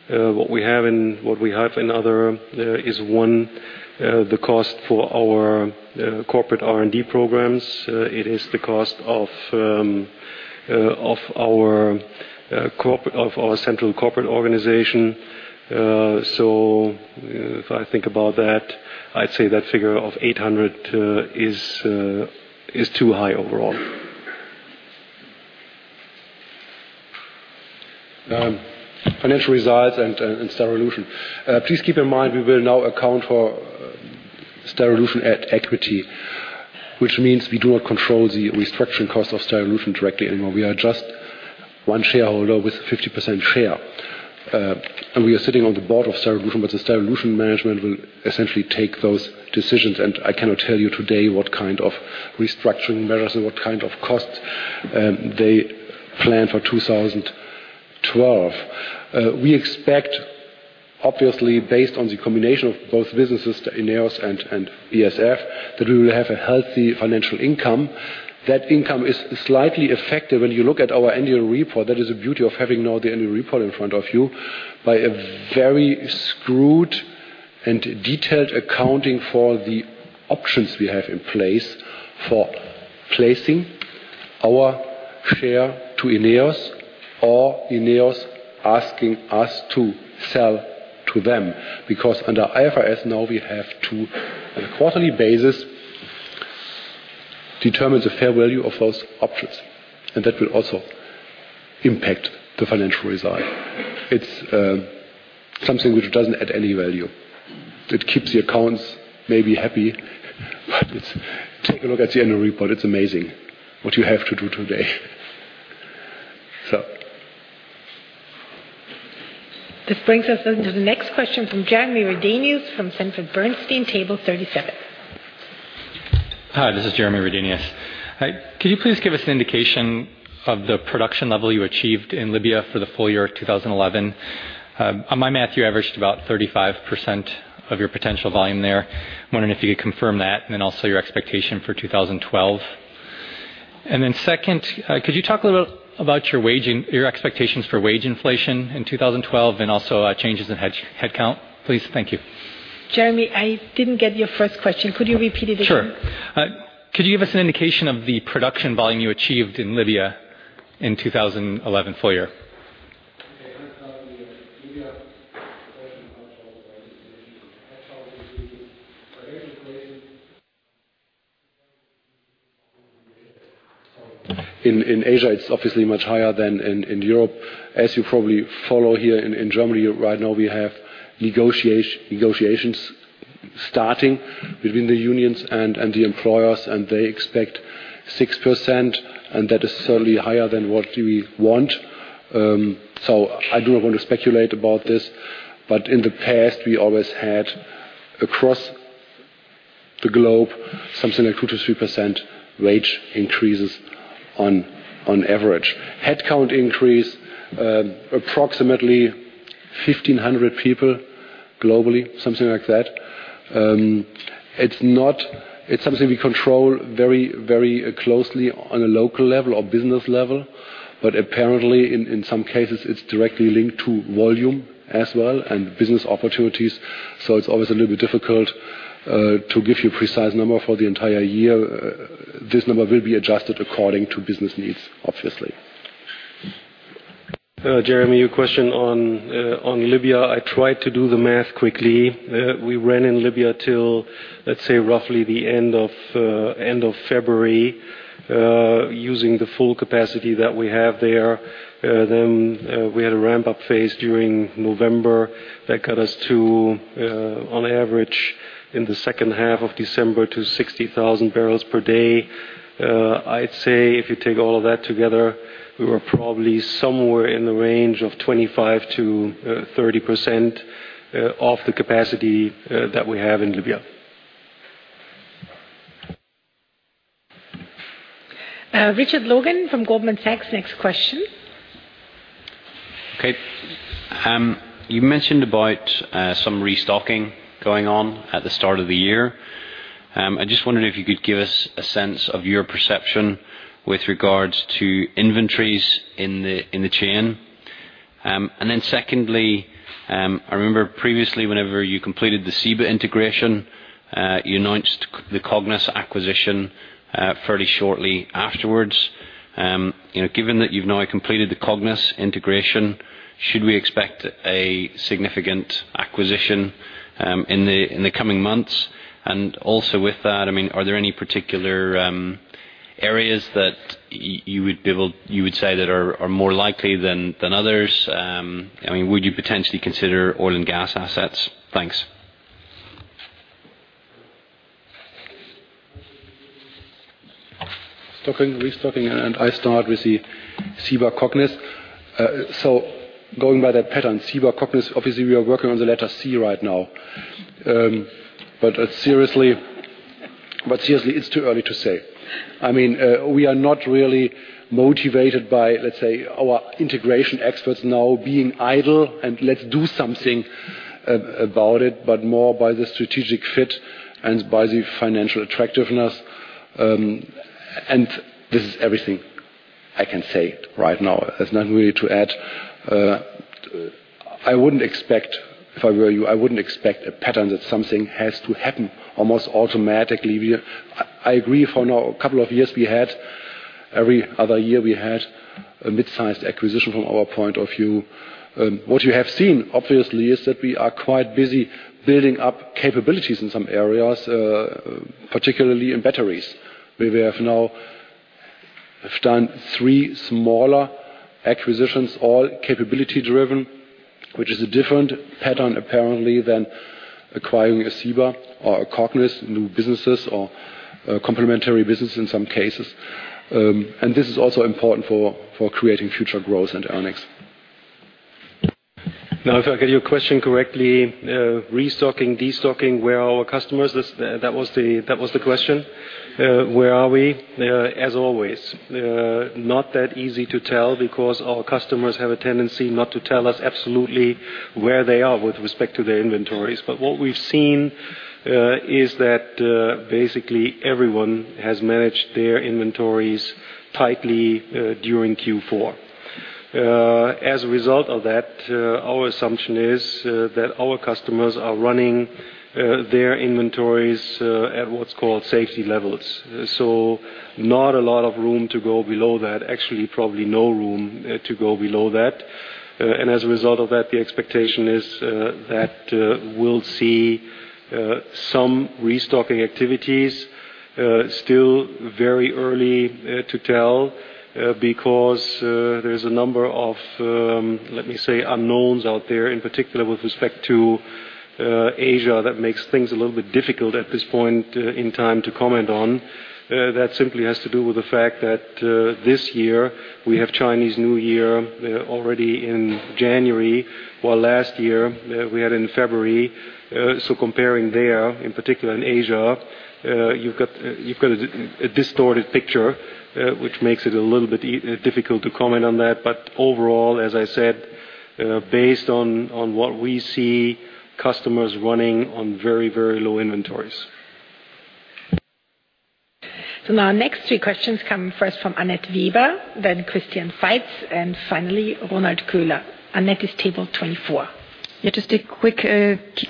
What we have in other is the cost for our corporate R&D programs. It is the cost of our central corporate organization. So if I think about that, I'd say that figure of 800 million is too high overall. Financial results and Styrolution. Please keep in mind, we will now account for Styrolution at equity, which means we do not control the restructuring cost of Styrolution directly anymore. We are just one shareholder with 50% share. We are sitting on the board of Styrolution, but the Styrolution management will essentially take those decisions. I cannot tell you today what kind of restructuring measures and what kind of costs they plan for 2012. We expect, obviously, based on the combination of both businesses, the INEOS and BASF, that we will have a healthy financial income. That income is slightly affected when you look at our annual report, that is the beauty of having now the annual report in front of you, by a very scrutinized and detailed accounting for the options we have in place for placing our share to INEOS or INEOS asking us to sell to them. Because under IFRS now, we have to, on a quarterly basis, determine the fair value of those options. That will also impact the financial result. It's something which doesn't add any value. It keeps the accounts maybe happy, but it's. Take a look at the annual report. It's amazing what you have to do today. This brings us on to the next question from Jeremy Redenius from Sanford C. Bernstein, table 37. Hi, this is Jeremy Redenius. Hi. Could you please give us an indication of the production level you achieved in Libya for the full year of 2011? On my math, you averaged about 35% of your potential volume there. I'm wondering if you could confirm that, and then also your expectation for 2012. Second, could you talk a little about your expectations for wage inflation in 2012 and also changes in headcount, please? Thank you. Jeremy, I didn't get your first question. Could you repeat it again? Sure. Could you give us an indication of the production volume you achieved in Libya in 2011 full year? [audio distortion] In Asia, it's obviously much higher than in Europe. As you probably follow here in Germany right now, we have negotiations starting between the unions and the employers, and they expect 6%, and that is certainly higher than what we want. I do not want to speculate about this, but in the past, we always had across the globe something like 2%-3% wage increases on average. Headcount increase approximately 1,500 people globally, something like that. It's something we control very closely on a local level or business level, but apparently in some cases, it's directly linked to volume as well and business opportunities. It's always a little bit difficult to give you a precise number for the entire year. This number will be adjusted according to business needs, obviously. Jeremy, your question on Libya, I tried to do the math quickly. We ran in Libya till, let's say, roughly the end of February, using the full capacity that we have there. Then, we had a ramp-up phase during November that got us to, on average in the second half of December to 60,000 barrels per day. I'd say if you take all of that together, we were probably somewhere in the range of 25%-30% of the capacity that we have in Libya. Richard Logan from Goldman Sachs, next question. Okay. You mentioned about some restocking going on at the start of the year. I just wondered if you could give us a sense of your perception with regards to inventories in the chain. And then secondly, I remember previously whenever you completed the Ciba integration, you announced the Cognis acquisition fairly shortly afterwards. You know, given that you've now completed the Cognis integration, should we expect a significant acquisition in the coming months? And also with that, I mean, are there any particular areas that you would say are more likely than others? I mean, would you potentially consider oil and gas assets? Thanks. Stocking, restocking, and I start with the Ciba, Cognis. Going by that pattern, Ciba, Cognis, obviously, we are working on the letter C right now. But seriously, it's too early to say. I mean, we are not really motivated by, let's say, our integration experts now being idle, and let's do something about it, but more by the strategic fit and by the financial attractiveness. This is everything I can say right now. There's nothing really to add. I wouldn't expect, if I were you, a pattern that something has to happen almost automatically. I agree for now, a couple of years we had every other year a mid-sized acquisition from our point of view. What you have seen, obviously, is that we are quite busy building up capabilities in some areas, particularly in batteries, where we have now. We've done three smaller acquisitions, all capability-driven, which is a different pattern, apparently, than acquiring a Ciba or a Cognis, new businesses or complementary business in some cases. This is also important for creating future growth and earnings. Now, if I get your question correctly, restocking, destocking, where are our customers? That was the question. Where are we? As always, not that easy to tell because our customers have a tendency not to tell us absolutely where they are with respect to their inventories. But what we've seen is that basically everyone has managed their inventories tightly during Q4. As a result of that, our assumption is that our customers are running their inventories at what's called safety levels. Not a lot of room to go below that. Actually, probably no room to go below that. As a result of that, the expectation is that we'll see some restocking activities. Still very early to tell because there's a number of, let me say, unknowns out there, in particular with respect to Asia that makes things a little bit difficult at this point in time to comment on. That simply has to do with the fact that this year we have Chinese New Year already in January, while last year we had in February. Comparing there, in particular in Asia, you've got a distorted picture, which makes it a little bit difficult to comment on that. Overall, as I said, based on what we see, customers running on very low inventories. now our next three questions come first from Annett Weber, then Christian Faitz, and finally Ronald Koehler. Annett is table 24. Just a quick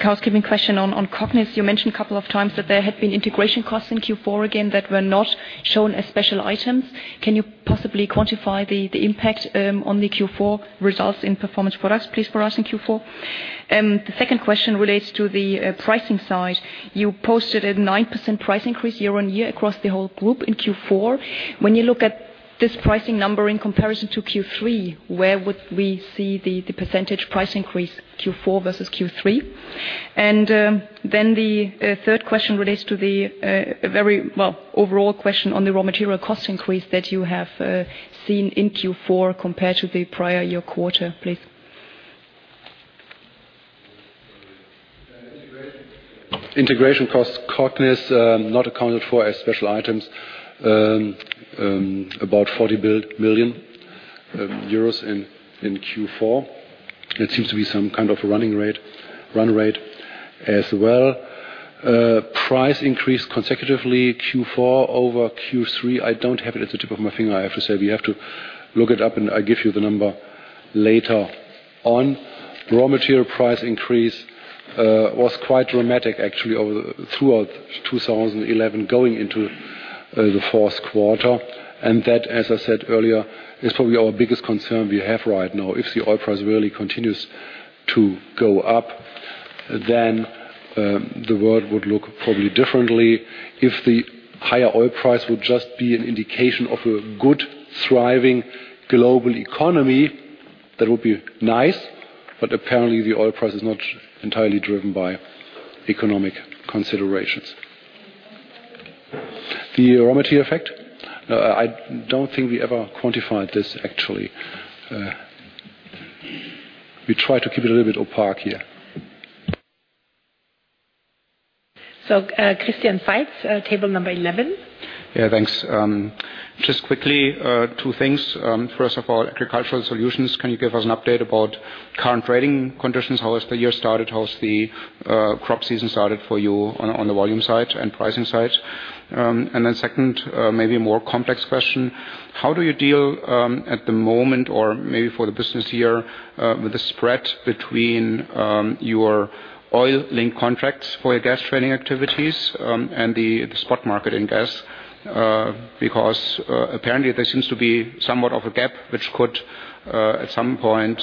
housekeeping question on Cognis. You mentioned a couple of times that there had been integration costs in Q4 again that were not shown as special items. Can you possibly quantify the impact on the Q4 results in performance products, please, for us in Q4? The second question relates to the pricing side. You posted a 9% price increase year-on-year across the whole group in Q4. When you look at this pricing number in comparison to Q3, where would we see the percentage price increase Q4 versus Q3? Then the third question relates to the overall question on the raw material cost increase that you have seen in Q4 compared to the prior year quarter, please. Integration costs, Cognis, not accounted for as special items. About EUR 40 billion in Q4. It seems to be some kind of a run rate as well. Price increase consecutively Q4 over Q3, I don't have it at the tip of my finger, I have to say. We have to look it up, and I'll give you the number later on. Raw material price increase was quite dramatic, actually, throughout 2011 going into the fourth quarter. That, as I said earlier, is probably our biggest concern we have right now. If the oil price really continues to go up, then the world would look probably differently. If the higher oil price would just be an indication of a good, thriving global economy, that would be nice, but apparently the oil price is not entirely driven by economic considerations. The raw material effect? I don't think we ever quantified this, actually. We try to keep it a little bit opaque here. Christian Faitz, table number 11. Yeah, thanks. Just quickly, two things. First of all, Agricultural Solutions. Can you give us an update about current trading conditions? How has the year started? How has the crop season started for you on the volume side and pricing side? Second, maybe a more complex question. How do you deal at the moment or maybe for the business year with the spread between your oil-linked contracts for your gas trading activities and the spot market in gas? Because apparently there seems to be somewhat of a gap which could at some point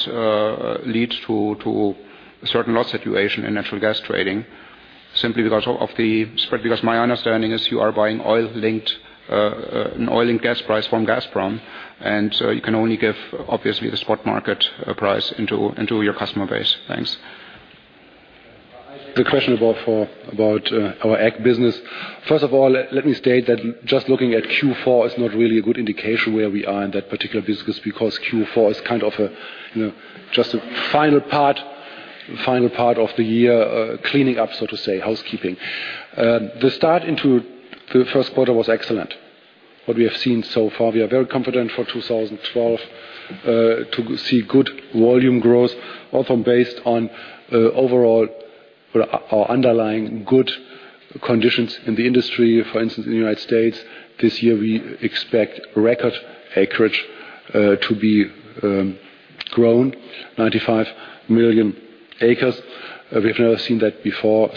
lead to a certain loss situation in natural gas trading simply because of the spread. Because my understanding is you are buying oil-linked, an oil and gas price from Gazprom, and you can only give, obviously, the spot market price into your customer base. Thanks. The question about our ag business. First of all, let me state that just looking at Q4 is not really a good indication where we are in that particular business because Q4 is just a final part of the year, cleaning up, so to say, housekeeping. The start into the first quarter was excellent. What we have seen so far, we are very confident for 2012 to see good volume growth, also based on overall our underlying good conditions in the industry. For instance, in the United States this year, we expect record acreage to be grown, 95 million acres. We've never seen that before.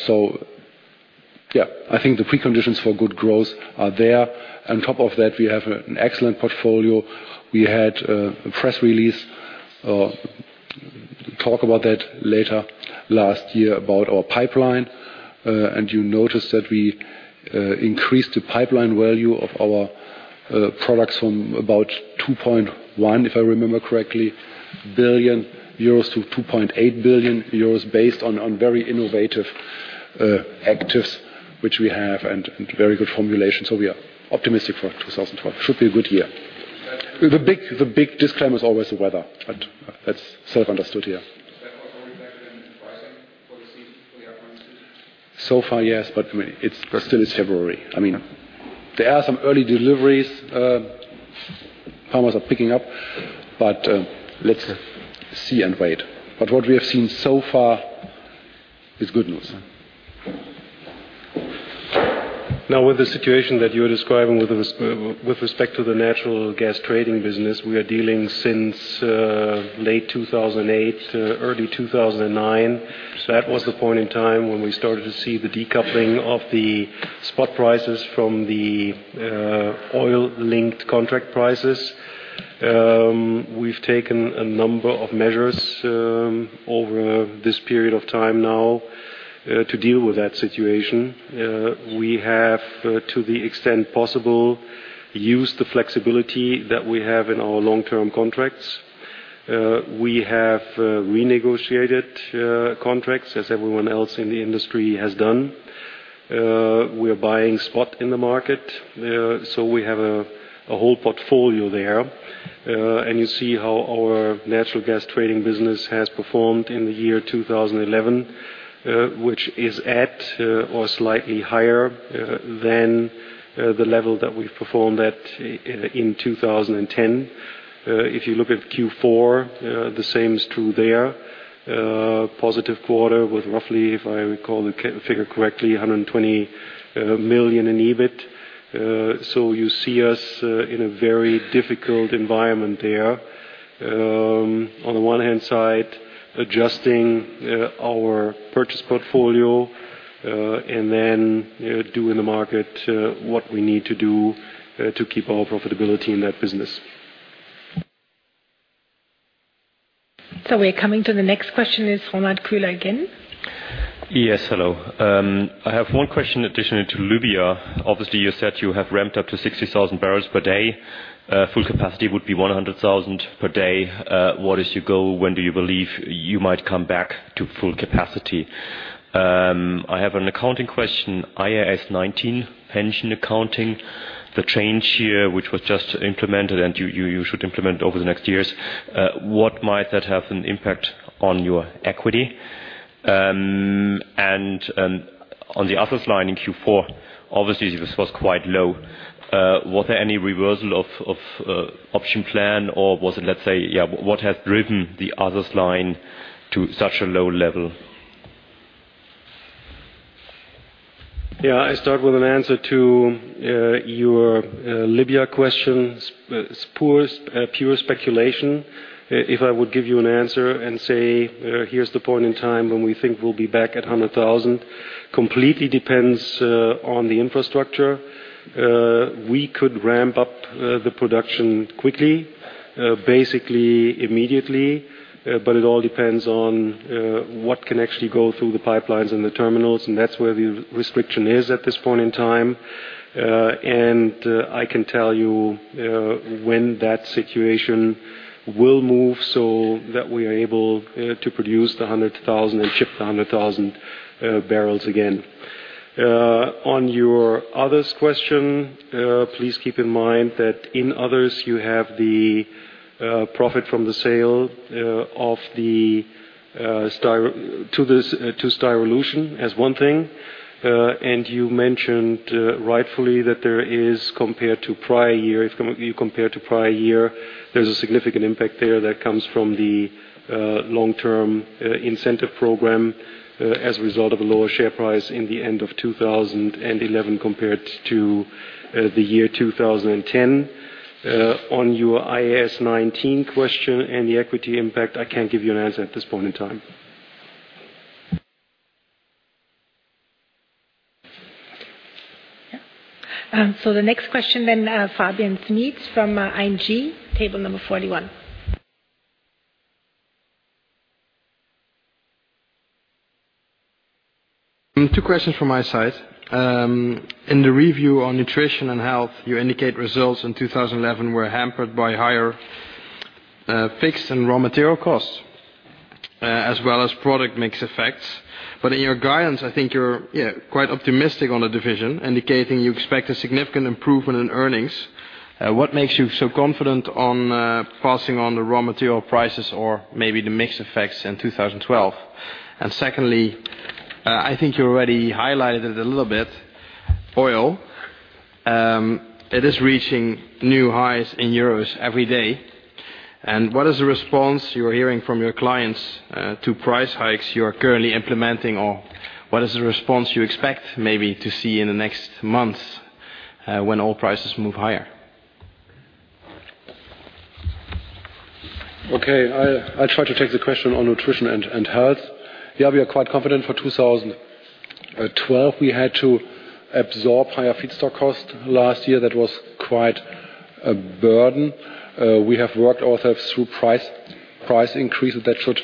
Yeah, I think the preconditions for good growth are there. On top of that, we have an excellent portfolio. We had a press release. Talk about that later. Last year about our pipeline, and you notice that we increased the pipeline value of our products from about 2.1 billion, if I remember correctly, to 2.8 billion euros based on very innovative actives which we have and very good formulation. We are optimistic for 2012. Should be a good year. The big disclaimer is always the weather, but that's sort of understood here. So far, yes, but it's still February. I mean, there are some early deliveries, farmers are picking up, but let's see and wait. What we have seen so far is good news. Now with the situation that you're describing with respect to the natural gas trading business, we are dealing since late 2008, early 2009. That was the point in time when we started to see the decoupling of the spot prices from the oil-linked contract prices. We've taken a number of measures over this period of time now to deal with that situation. We have, to the extent possible, used the flexibility that we have in our long-term contracts. We have renegotiated contracts as everyone else in the industry has done. We are buying spot in the market, so we have a whole portfolio there. You see how our natural gas trading business has performed in the year 2011, which is at or slightly higher than the level that we've performed at in 2010. If you look at Q4, the same is true there. Positive quarter with roughly, if I recall the figure correctly, 120 million in EBIT. You see us in a very difficult environment there. On the one hand side, adjusting our purchase portfolio, and then doing the market what we need to do to keep our profitability in that business. We're coming to the next question, it's Ronald Koehler again. Yes. Hello. I have one question additionally to Libya. Obviously, you said you have ramped up to 60,000 barrels per day. Full capacity would be 100,000 per day. What is your goal? When do you believe you might come back to full capacity? I have an accounting question, IAS 19, pension accounting. The change here, which was just implemented and you should implement over the next years, what might that have an impact on your equity? And on the Others line in Q4, obviously, this was quite low. Was there any reversal of option plan or was it, let's say, yeah, what has driven the Others line to such a low level? Yeah. I start with an answer to your Libya question. It's pure speculation. If I would give you an answer and say here's the point in time when we think we'll be back at 100,000, completely depends on the infrastructure. We could ramp up the production quickly, basically immediately, but it all depends on what can actually go through the pipelines and the terminals, and that's where the restriction is at this point in time. I can tell you when that situation will move so that we are able to produce the 100,000 and ship the 100,000 barrels again. On your Others question, please keep in mind that in others you have the profit from the sale to Styrolution as one thing. You mentioned rightfully that there is, compared to prior year, if you compare to prior year, there's a significant impact there that comes from the long-term incentive program as a result of a lower share price in the end of 2011 compared to the year 2010. On your IAS 19 question and the equity impact, I can't give you an answer at this point in time. Yeah. The next question, Fabian Smeets from ING, table number 41. Two questions from my side. In the review on Nutrition and Health, you indicate results in 2011 were hampered by higher fixed and raw material costs as well as product mix effects. In your guidance, I think you're quite optimistic on the division, indicating you expect a significant improvement in earnings. What makes you so confident on passing on the raw material prices or maybe the mix effects in 2012? Secondly, I think you already highlighted it a little bit, oil. It is reaching new highs in euros every day. What is the response you are hearing from your clients to price hikes you are currently implementing? Or what is the response you expect maybe to see in the next months when oil prices move higher? Okay. I'll try to take the question on Nutrition and Health. Yeah, we are quite confident for 2012 we had to absorb higher feedstock cost last year. That was quite a burden. We have worked also through price increases that should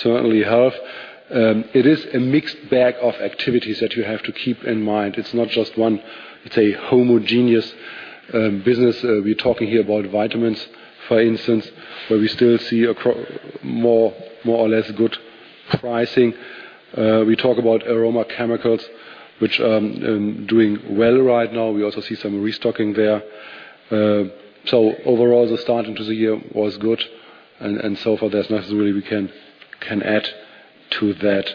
certainly help. It is a mixed bag of activities that you have to keep in mind. It's not just one, let's say, homogeneous business. We're talking here about vitamins, for instance, where we still see more or less good pricing. We talk about aroma chemicals, which doing well right now. We also see some restocking there. Overall the start into the year was good and so far there's nothing really we can add to that.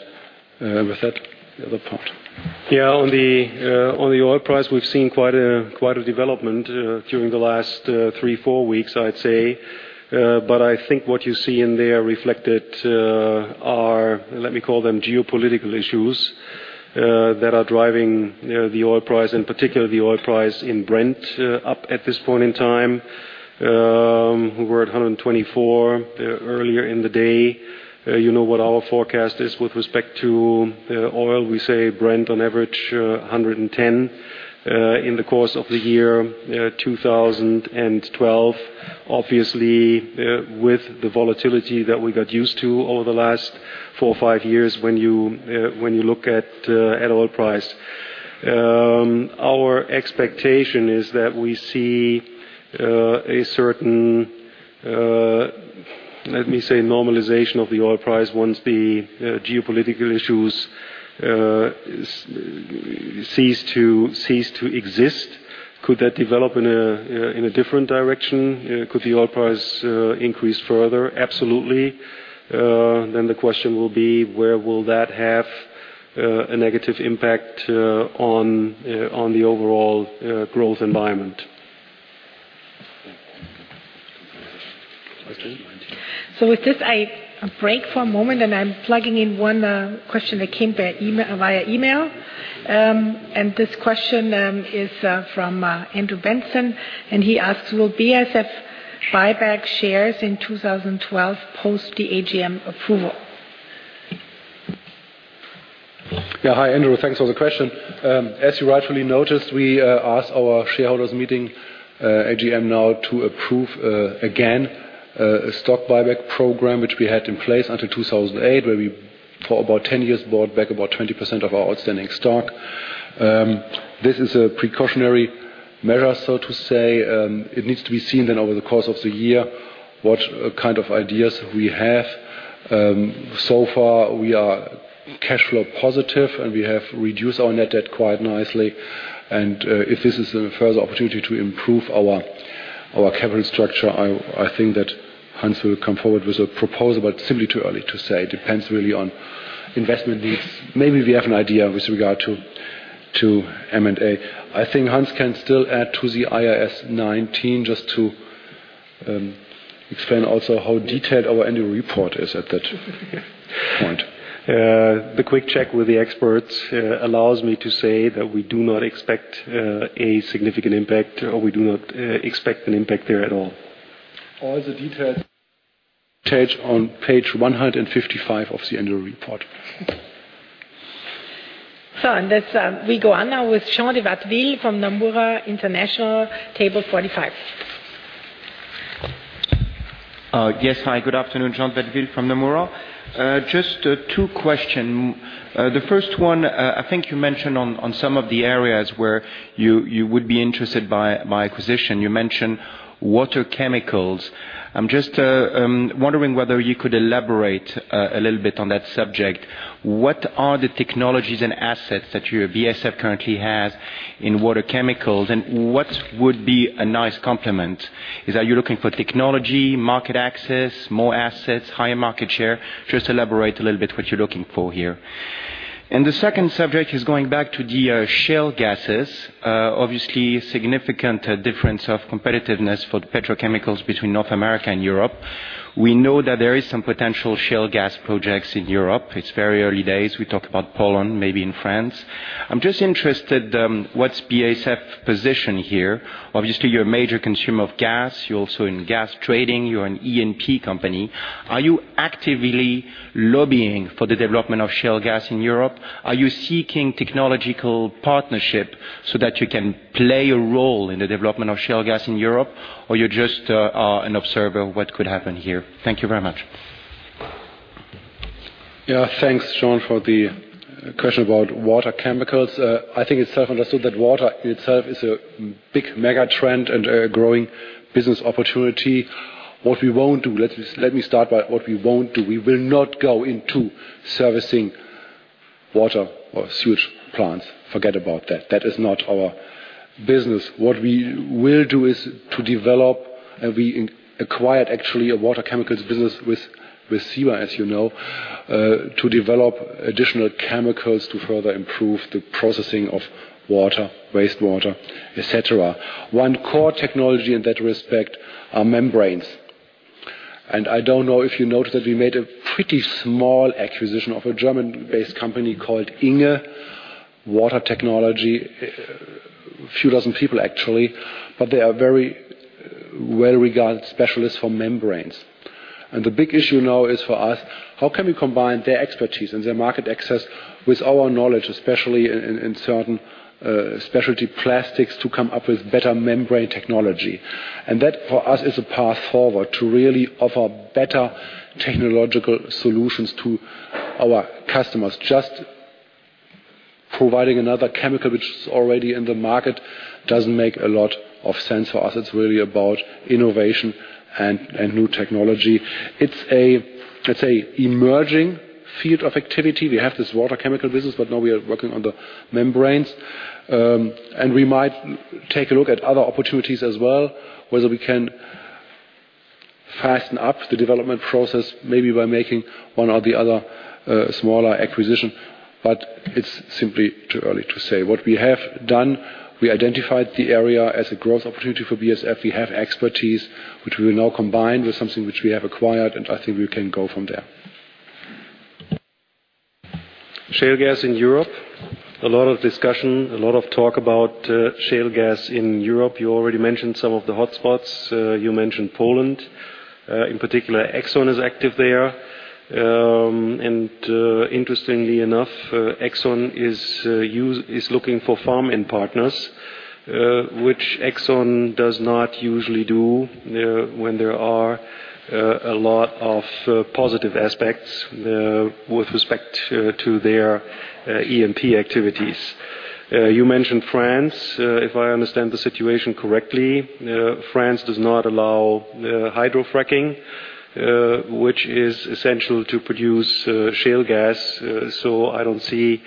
With that, the other part. Yeah, on the oil price, we've seen quite a development during the last three, four weeks, I'd say. I think what you see reflected in there are, let me call them, geopolitical issues that are driving, you know, the oil price and particularly the oil price in Brent up at this point in time. We're at $124 earlier in the day. You know what our forecast is with respect to oil. We say Brent on average $110 in the course of the year 2012. Obviously, with the volatility that we got used to over the last four or five years when you look at the oil price. Our expectation is that we see a certain, let me say normalization of the oil price once the geopolitical issues cease to exist. Could that develop in a different direction? Could the oil price increase further? Absolutely. Then the question will be, where will that have a negative impact on the overall growth environment? Question? With this I break for a moment, and I'm plugging in one question that came via email. This question is from Andrew Benson, and he asks: Will BASF buy back shares in 2012 post the AGM approval? Yeah. Hi, Andrew. Thanks for the question. As you rightfully noticed, we asked our shareholders meeting, AGM now to approve again a stock buyback program, which we had in place until 2008, where we for about 10 years bought back about 20% of our outstanding stock. This is a precautionary measure, so to say. It needs to be seen then over the course of the year, what kind of ideas we have. So far we are cash flow positive, and we have reduced our net debt quite nicely and if this is a further opportunity to improve our capital structure, I think that Hans will come forward with a proposal, but simply too early to say. It depends really on investment needs. Maybe we have an idea with regard to M&A. I think Hans can still add to the IAS 19 just to explain also how detailed our annual report is at that point. The quick check with the experts allows me to say that we do not expect a significant impact, or we do not expect an impact there at all. All the details attached on page 155 of the annual report. On this, we go on now with Jean de Watteville from Nomura International, table 45. Yes. Hi, good afternoon, Jean de Watteville from Nomura. Just two question. The first one, I think you mentioned on some of the areas where you would be interested by acquisition. You mentioned water chemicals. I'm just wondering whether you could elaborate a little bit on that subject. What are the technologies and assets that you at BASF currently has in water chemicals, and what would be a nice complement? Is that you're looking for technology, market access, more assets, higher market share? Just elaborate a little bit what you're looking for here. The second subject is going back to the shale gases. Obviously significant difference of competitiveness for petrochemicals between North America and Europe. We know that there is some potential shale gas projects in Europe. It's very early days. We talk about Poland, maybe in France. I'm just interested, what's BASF's position here? Obviously, you're a major consumer of gas. You're also in gas trading. You're an E&P company. Are you actively lobbying for the development of shale gas in Europe? Are you seeking technological partnership so that you can play a role in the development of shale gas in Europe, or you're just an observer of what could happen here? Thank you very much. Yeah. Thanks, Jean, for the question about water chemicals. I think it's fair understood that water in itself is a big mega trend and a growing business opportunity. What we won't do. Let me start by what we won't do. We will not go into servicing water or sewage plants. Forget about that. That is not our business. What we will do is to develop, and we acquired actually a water chemicals business with Ciba, as you know, to develop additional chemicals to further improve the processing of water, wastewater, et cetera. One core technology in that respect are membranes. I don't know if you noticed that we made a pretty small acquisition of a German-based company called inge watertechnologies AG. A few dozen people actually, but they are very Well-regarded specialist for membranes. The big issue now is for us, how can we combine their expertise and their market access with our knowledge, especially in certain specialty plastics to come up with better membrane technology. That, for us, is a path forward to really offer better technological solutions to our customers. Just providing another chemical which is already in the market doesn't make a lot of sense for us. It's really about innovation and new technology. It's an emerging field of activity. We have this water chemical business, but now we are working on the membranes. We might take a look at other opportunities as well, whether we can hasten up the development process, maybe by making one or the other smaller acquisition. It's simply too early to say. What we have done, we identified the area as a growth opportunity for BASF. We have expertise, which we now combine with something which we have acquired, and I think we can go from there. Shale gas in Europe, a lot of discussion, a lot of talk about shale gas in Europe. You already mentioned some of the hotspots. You mentioned Poland. In particular, Exxon is active there. Interestingly enough, Exxon is looking for farm-in partners, which Exxon does not usually do there when there are a lot of positive aspects with respect to their EMP activities. You mentioned France. If I understand the situation correctly, France does not allow hydrofracking, which is essential to produce shale gas, so I don't see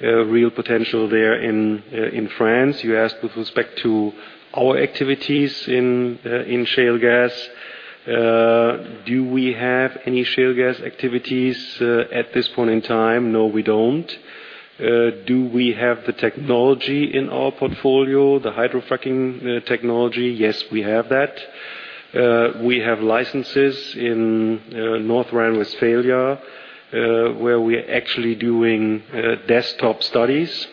real potential there in France. You asked with respect to our activities in shale gas. Do we have any shale gas activities at this point in time? No, we don't. Do we have the technology in our portfolio, the hydrofracking technology? Yes, we have that. We have licenses in North Rhine-Westphalia, where we're actually doing desktop studies,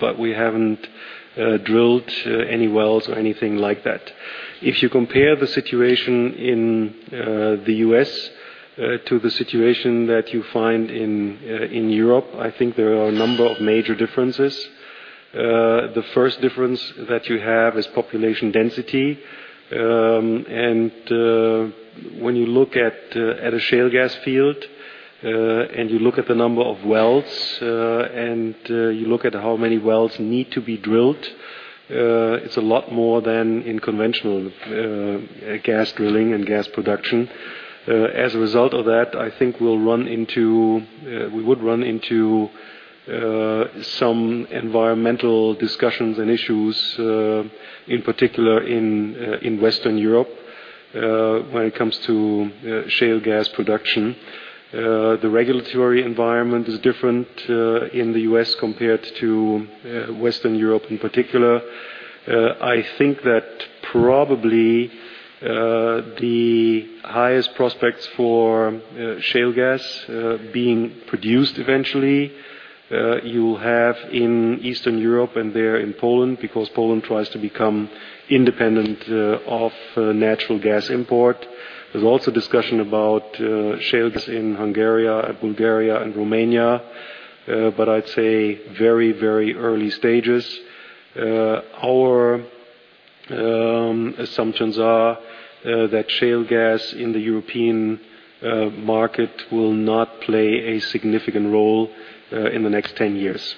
but we haven't drilled any wells or anything like that. If you compare the situation in the U.S. to the situation that you find in Europe, I think there are a number of major differences. The first difference that you have is population density. When you look at a shale gas field and you look at the number of wells and you look at how many wells need to be drilled, it's a lot more than in conventional gas drilling and gas production. As a result of that, I think we would run into some environmental discussions and issues in particular in Western Europe when it comes to shale gas production. The regulatory environment is different in the U.S. compared to Western Europe in particular. I think that probably the highest prospects for shale gas being produced eventually you'll have in Eastern Europe and there in Poland, because Poland tries to become independent of natural gas import. There's also discussion about shales in Hungary, Bulgaria, and Romania, but I'd say very, very early stages. Our assumptions are that shale gas in the European market will not play a significant role in the next 10 years.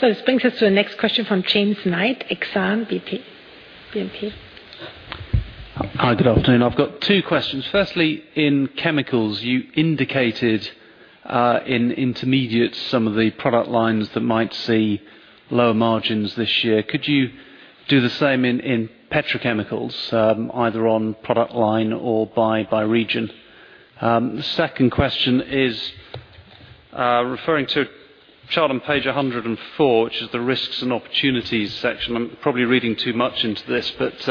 This brings us to the next question from James Knight, Exane BNP. Hi. Good afternoon. I've got two questions. Firstly, in chemicals, you indicated in intermediates some of the product lines that might see lower margins this year. Could you do the same in petrochemicals, either on product line or by region? The second question is referring to chart on page 104, which is the risks and opportunities section. I'm probably reading too much into this, but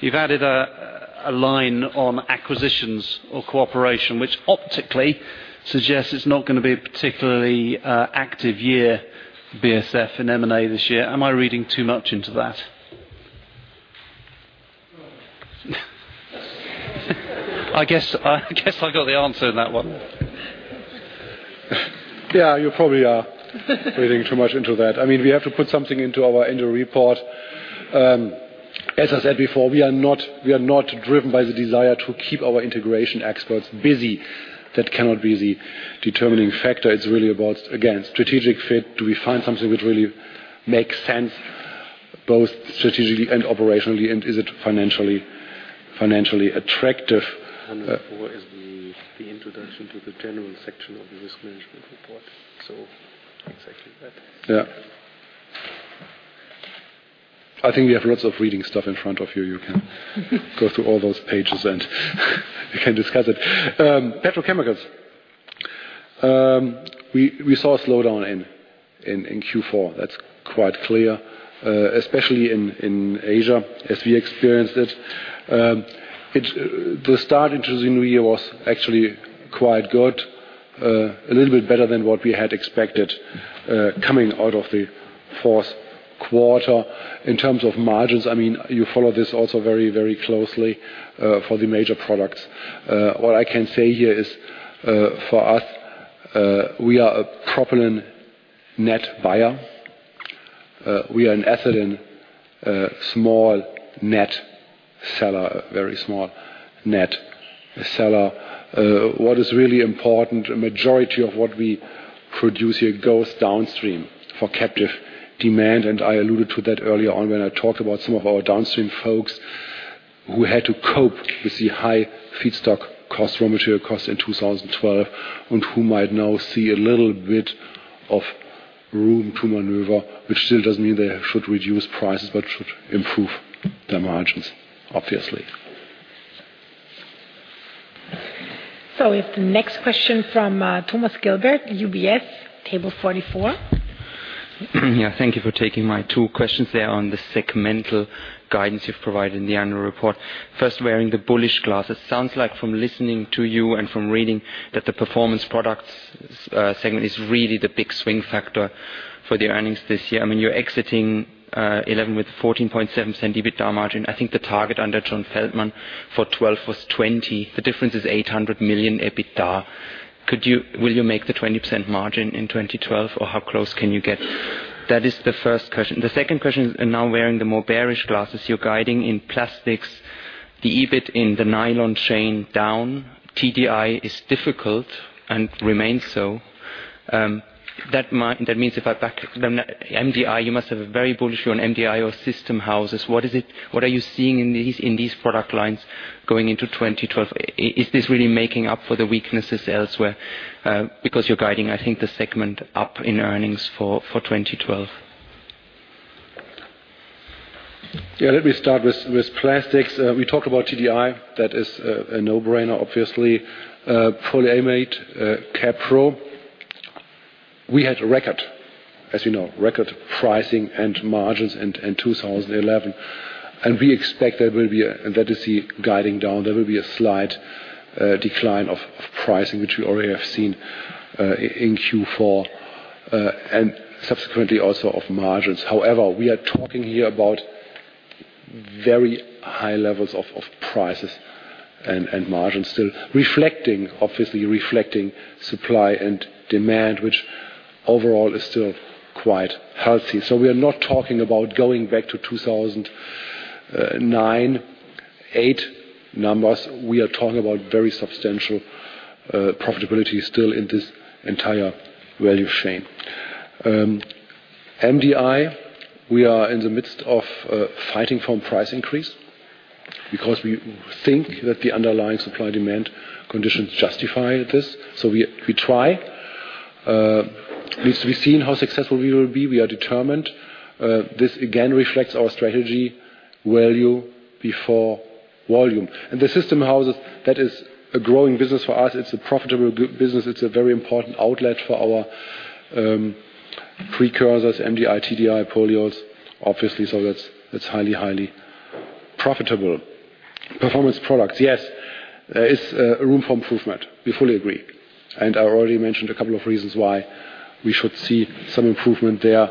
you've added a line on acquisitions or cooperation, which optically suggests it's not gonna be a particularly active year, BASF in M&A this year. Am I reading too much into that? No. I guess I got the answer in that one. Yeah, you probably are reading too much into that. I mean, we have to put something into our annual report. As I said before, we are not driven by the desire to keep our integration experts busy. That cannot be the determining factor. It's really about, again, strategic fit. Do we find something which really makes sense both strategically and operationally, and is it financially attractive? 104 is the introduction to the general section of the risk management report. It's actually that. Yeah. I think you have lots of reading stuff in front of you. You can go through all those pages, and we can discuss it. Petrochemicals. We saw a slowdown in Q4. That's quite clear, especially in Asia as we experienced it. The start into the new year was actually quite good. A little bit better than what we had expected, coming out of the fourth quarter. In terms of margins, I mean, you follow this also very, very closely, for the major products. What I can say here is, for us, we are a propylene net buyer. We are an ethylene, small net seller, a very small net seller. What is really important, a majority of what we produce here goes downstream for captive demand, and I alluded to that earlier on when I talked about some of our downstream folks who had to cope with the high feedstock costs, raw material costs in 2012 and who might now see a little bit of room to maneuver, which still doesn't mean they should reduce prices, but should improve their margins, obviously. We have the next question from Thomas Gilbert, UBS, table 44. Thank you for taking my two questions there on the segmental guidance you've provided in the annual report. First, wearing the bullish glasses, sounds like from listening to you and from reading that the Performance Products segment is really the big swing factor for the earnings this year. I mean, you're exiting 2011 with 14.7% EBITDA margin. I think the target under [third month] for 2012 was 20%. The difference is 800 million EBITDA. Will you make the 20% margin in 2012, or how close can you get? That is the first question. The second question is now wearing the more bearish glasses. You're guiding in Plastics the EBIT in the nylon chain down. TDI is difficult and remains so. That means if I back MDI, you must have a very bullish view on MDI or system houses. What are you seeing in these product lines going into 2012? Is this really making up for the weaknesses elsewhere, because you're guiding, I think, the segment up in earnings for 2012? Yeah, let me start with plastics. We talked about TDI. That is a no-brainer, obviously. Polyamide, capro. We had a record, as you know, record pricing and margins in 2011. There will be a slight decline of pricing, which we already have seen in Q4 and subsequently also of margins. However, we are talking here about very high levels of prices and margins still reflecting, obviously, supply and demand, which overall is still quite healthy. We are not talking about going back to 2009, 2008 numbers. We are talking about very substantial profitability still in this entire value chain. MDI, we are in the midst of fighting for a price increase because we think that the underlying supply-demand conditions justify this. We try. We've seen how successful we will be. We are determined. This again reflects our strategy, value before volume. The system houses, that is a growing business for us. It's a profitable growing business. It's a very important outlet for our precursors, MDI, TDI, polyols, obviously. That's highly profitable. Performance Products. Yes, there is room for improvement. We fully agree. I already mentioned a couple of reasons why we should see some improvement there.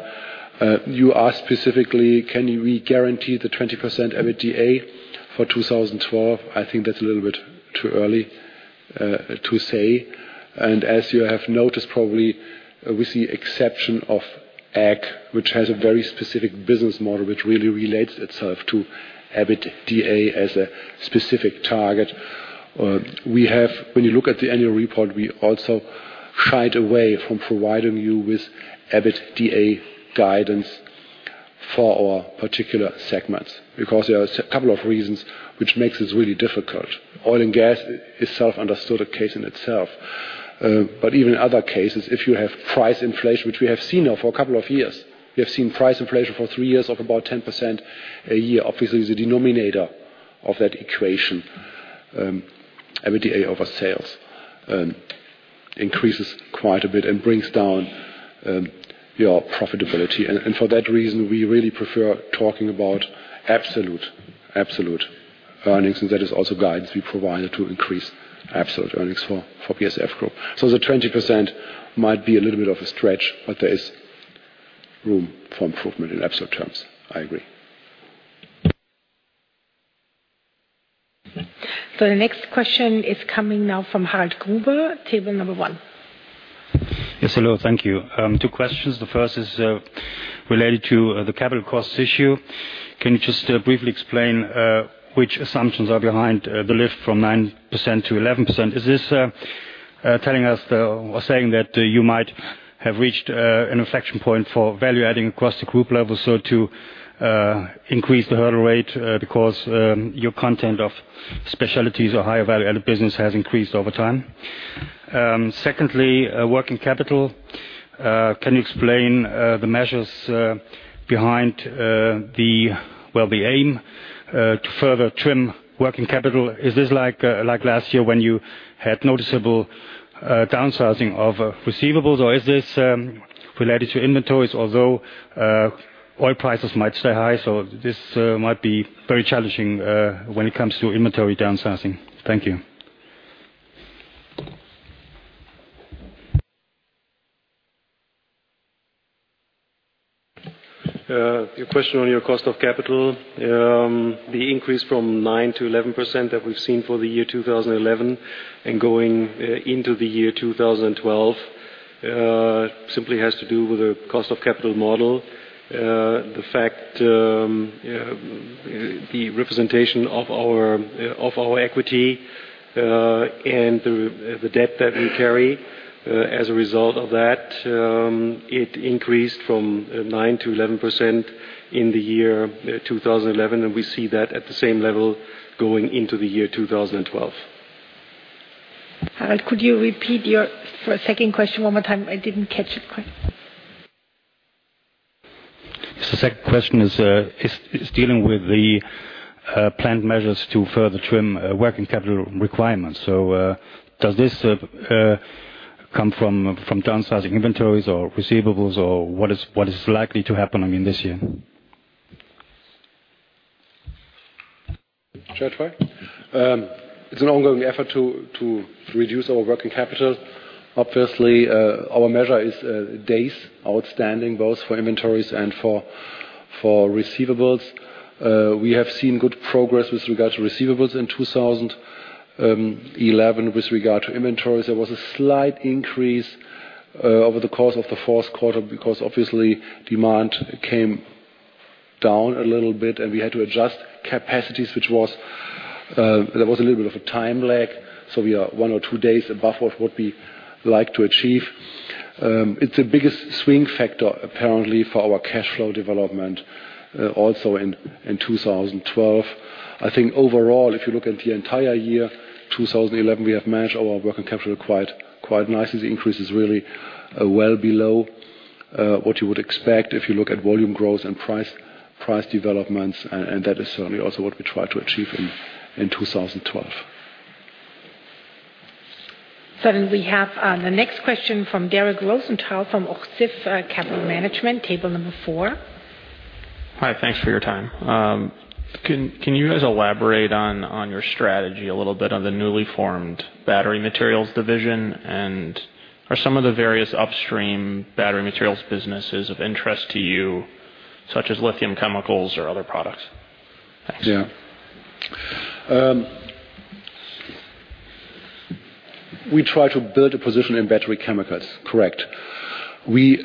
You asked specifically, can we guarantee the 20% EBITDA for 2012? I think that's a little bit too early to say. As you have noticed probably, with the exception of AG, which has a very specific business model, which really relates itself to EBITDA as a specific target, we have. When you look at the annual report, we also shied away from providing you with EBITDA guidance for our particular segments because there are a couple of reasons which makes this really difficult. Oil and Gas is self-understood a case in itself. Even in other cases, if you have price inflation, which we have seen now for a couple of years, we have seen price inflation for three years of about 10% a year. Obviously, the denominator of that equation, EBITDA over sales, increases quite a bit and brings down your profitability. For that reason, we really prefer talking about absolute earnings, and that is also guidance we provided to increase absolute earnings for BASF Group. The 20% might be a little bit of a stretch, but there is room for improvement in absolute terms. I agree. The next question is coming now from [Harald Gruber], table number one. Yes, hello. Thank you. Two questions. The first is related to the capital cost issue. Can you just briefly explain which assumptions are behind the lift from 9%-11%? Is this telling us or saying that you might have reached an inflection point for value-adding across the group level, so to increase the hurdle rate because your content of specialties or higher value-added business has increased over time? Secondly, working capital. Can you explain the measures behind the, well, the aim to further trim working capital? Is this like last year when you had noticeable downsizing of receivables, or is this related to inventories? Although oil prices might stay high, so this might be very challenging when it comes to inventory downsizing. Thank you. Your question on your cost of capital. The increase from 9%-11% that we've seen for the year 2011 and going into the year 2012 simply has to do with the cost of capital model. The fact, the representation of our equity and the debt that we carry as a result of that, it increased from 9%-11% in the year 2011, and we see that at the same level going into the year 2012. [Harald], could you repeat your second question one more time? I didn't catch it quite. Second question is dealing with the planned measures to further trim working capital requirements. Does this come from downsizing inventories or receivables or what is likely to happen, I mean, this year? It's an ongoing effort to reduce our working capital. Obviously, our measure is days outstanding, both for inventories and for receivables. We have seen good progress with regards to receivables in 2011. With regard to inventories, there was a slight increase over the course of the fourth quarter because obviously demand came down a little bit and we had to adjust capacities, which was a little bit of a time lag. We are one or two days above what we would like to achieve. It's the biggest swing factor apparently for our cash flow development also in 2012. I think overall, if you look at the entire year, 2011, we have managed our working capital quite nicely. The increase is really well below what you would expect if you look at volume growth and price developments, and that is certainly also what we try to achieve in 2012. We have the next question from [Derek Rosenthal] from Axis Capital Management, table number four. Hi. Thanks for your time. Can you guys elaborate on your strategy a little bit on the newly formed battery materials division? Are some of the various upstream battery materials businesses of interest to you, such as lithium chemicals or other products? Thanks. Yeah. We try to build a position in battery chemicals, correct. We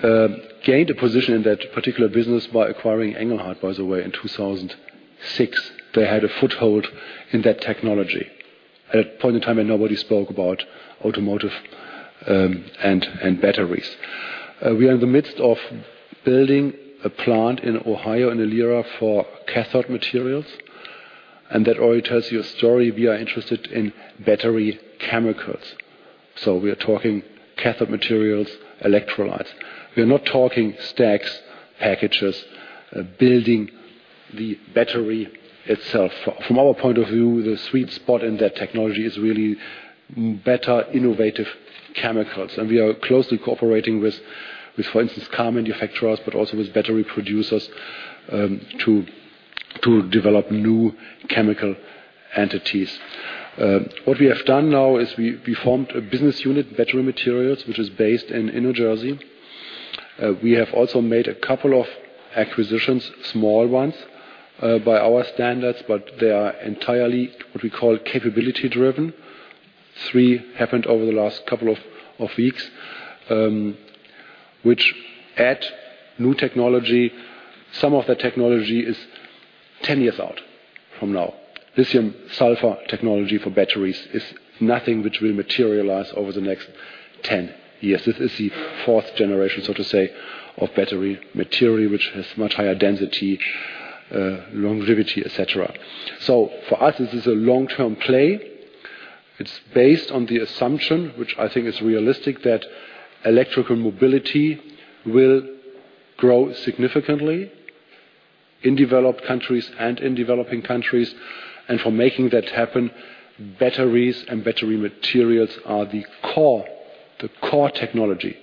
gained a position in that particular business by acquiring Engelhard, by the way, in 2006. They had a foothold in that technology at a point in time when nobody spoke about automotive and batteries. We are in the midst of building a plant in Ohio in Elyria for cathode materials, and that already tells you a story. We are interested in battery chemicals, so we are talking cathode materials, electrolytes. We are not talking stacks, packages, building the battery itself. From our point of view, the sweet spot in that technology is really better innovative chemicals, and we are closely cooperating with, for instance, car manufacturers, but also with battery producers, to develop new chemical entities. What we have done now is we formed a business unit, Battery Materials, which is based in New Jersey. We have also made a couple of acquisitions, small ones, by our standards, but they are entirely what we call capability-driven. Three happened over the last couple of weeks, which add new technology. Some of the technology is 10 years out from now. Lithium sulfur technology for batteries is nothing which will materialize over the next 10 years. This is the fourth generation, so to say, of battery material, which has much higher density, longevity, et cetera. For us, this is a long-term play. It's based on the assumption, which I think is realistic, that electrical mobility will grow significantly in developed countries and in developing countries. For making that happen, batteries and battery materials are the core technology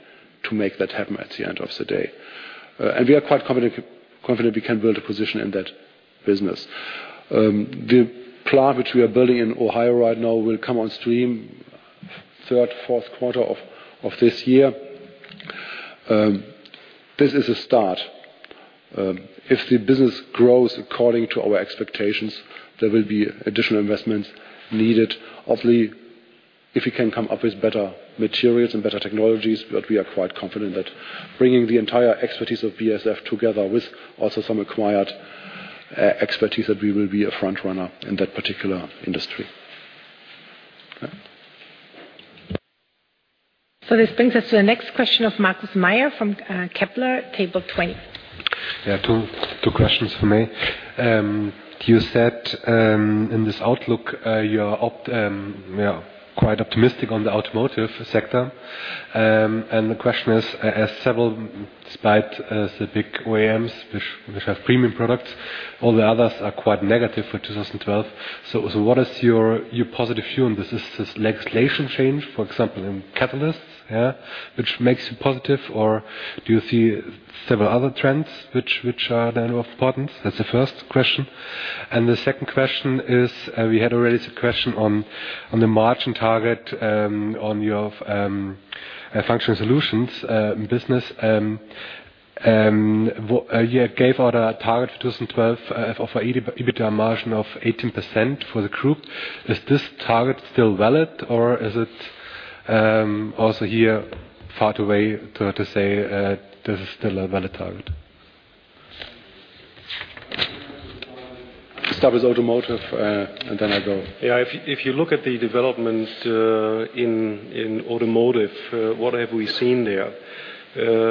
to make that happen at the end of the day. We are quite confident we can build a position in that business. The plant which we are building in Ohio right now will come on stream third, fourth quarter of this year. This is a start. If the business grows according to our expectations, there will be additional investments needed. Hopefully, if we can come up with better materials and better technologies, but we are quite confident that bringing the entire expertise of BASF together with also some acquired expertise, that we will be a front runner in that particular industry. Yeah. This brings us to the next question of Markus Mayer from Kepler, table 20. Two questions from me. You said in this outlook you are quite optimistic on the automotive sector. The question is, despite the big OEMs which have premium products, all the others are quite negative for 2012. What is your positive view on this? Is this legislation change, for example, in catalysts, which makes you positive? Or do you see several other trends which are then of importance? That's the first question. The second question is, we had already a question on the margin target on your functional solutions business. You gave out a target 2012 of a EBITDA margin of 18% for the group. Is this target still valid, or is it also too far away to say this is still a valid target? Start with automotive, then I go. Yeah. If you look at the developments in automotive, what have we seen there?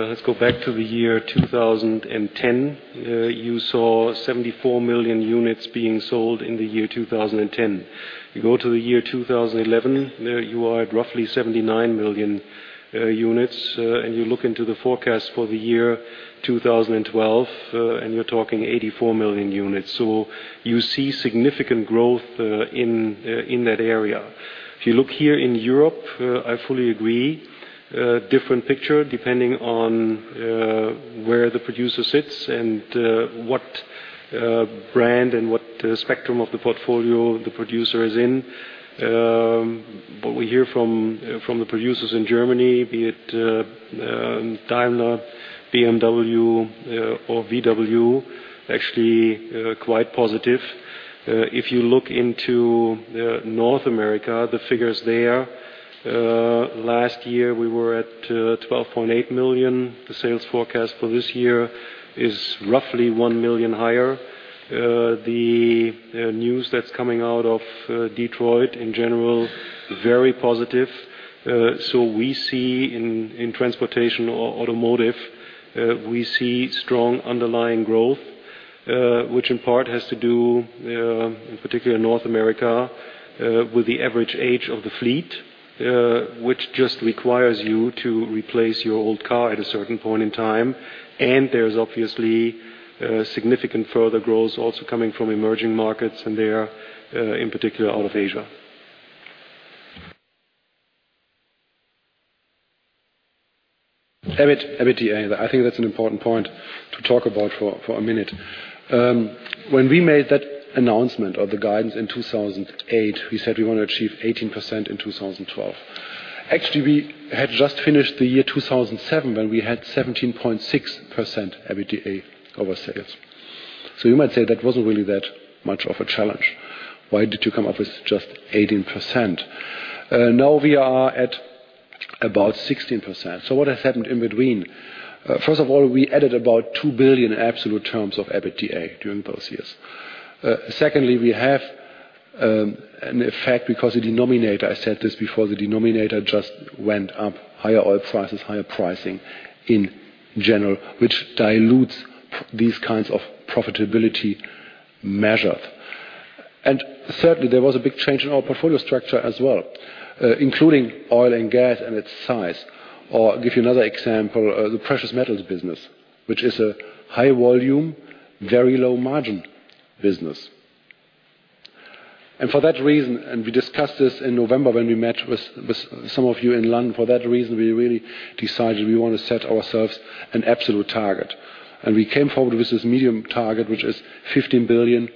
Let's go back to the year 2010. You saw 74 million units being sold in the year 2010. You go to the year 2011, you are at roughly 79 million units. And you look into the forecast for the year 2012, and you're talking 84 million units. You see significant growth in that area. If you look here in Europe, I fully agree. A different picture depending on where the producer sits and what brand and what spectrum of the portfolio the producer is in. What we hear from the producers in Germany, be it Daimler, BMW, or VW, actually quite positive. If you look into North America, the figures there, last year we were at 12.8 million. The sales forecast for this year is roughly 1 million higher. The news that's coming out of Detroit, in general, very positive. We see in transportation or automotive, we see strong underlying growth, which in part has to do, in particular North America, with the average age of the fleet, which just requires you to replace your old car at a certain point in time. There's obviously significant further growth also coming from emerging markets and there, in particular, out of Asia. EBIT, EBITDA. I think that's an important point to talk about for a minute. When we made that announcement of the guidance in 2008, we said we want to achieve 18% in 2012. Actually, we had just finished the year 2007 when we had 17.6% EBITDA over sales. So you might say that wasn't really that much of a challenge. Why did you come up with just 18%? Now we are at about 16%. So what has happened in between? First of all, we added about 2 billion absolute terms of EBITDA during those years. Secondly, we have an effect because the denominator, I said this before, the denominator just went up. Higher oil prices, higher pricing in general, which dilutes these kinds of profitability measured. Thirdly, there was a big change in our portfolio structure as well, including oil and gas and its size. Give you another example, the precious metals business, which is a high volume, very low margin business. For that reason, we discussed this in November when we met with some of you in London, for that reason, we really decided we wanna set ourselves an absolute target. We came forward with this medium target, which is 15 billion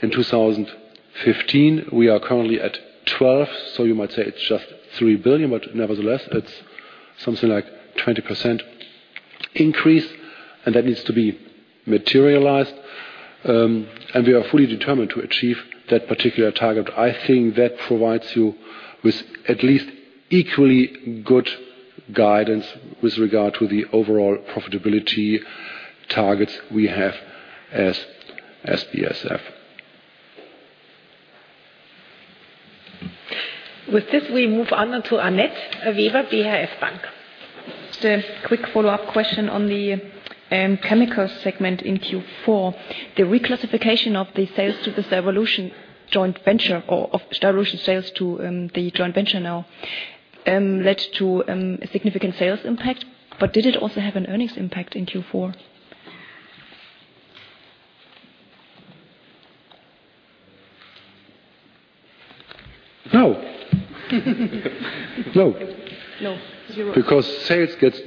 in 2015. We are currently at 12 billion, so you might say it's just 3 billion, but nevertheless, it's something like 20% increase, and that needs to be materialized. We are fully determined to achieve that particular target. I think that provides you with at least equally good guidance with regard to the overall profitability targets we have as BASF. With this, we move on now to Annett Weber, BHF Bank. A quick follow-up question on the chemical segment in Q4. The reclassification of the sales to the Styrolution joint venture or of Styrolution sales to the joint venture now led to a significant sales impact. Did it also have an earnings impact in Q4? No. No. No. Because sales gets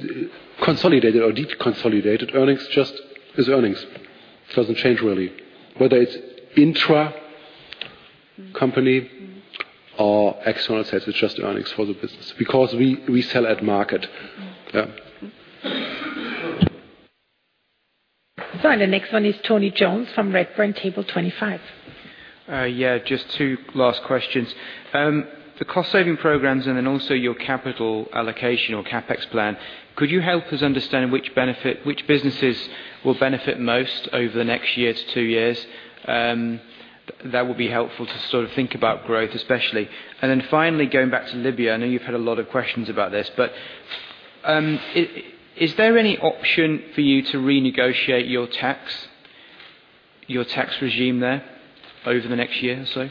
consolidated or deconsolidated. Earnings just is earnings. It doesn't change, really. Whether it's intracompany. Mm-hmm. for external sales, it's just earnings for the business because we sell at market. Yeah. The next one is Tony Jones from Redburn, table 25. Just two last questions. The cost-saving programs and then also your capital allocation or CapEx plan, could you help us understand which benefit, which businesses will benefit most over the next year to two years? That would be helpful to sort of think about growth, especially. Then finally, going back to Libya, I know you've had a lot of questions about this, but is there any option for you to renegotiate your tax regime there over the next year or so?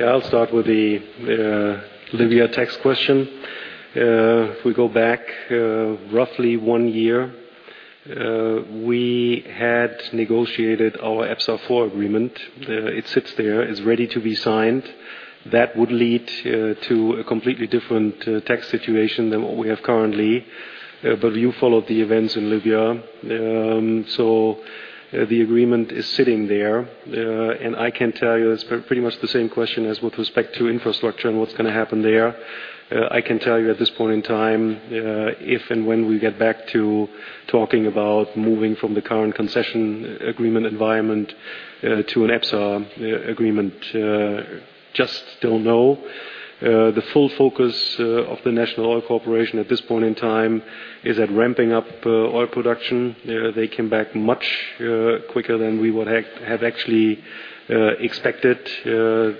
Yeah. I'll start with the Libya tax question. If we go back roughly one year, we had negotiated our EPSA-4 agreement. It sits there. It's ready to be signed. That would lead to a completely different tax situation than what we have currently. You followed the events in Libya. The agreement is sitting there. I can tell you it's pretty much the same question as with respect to infrastructure and what's gonna happen there. I can tell you at this point in time if and when we get back to talking about moving from the current concession agreement environment to an EPSA agreement, I just don't know. The full focus of the National Oil Corporation at this point in time is at ramping up oil production. They came back much quicker than we would have actually expected.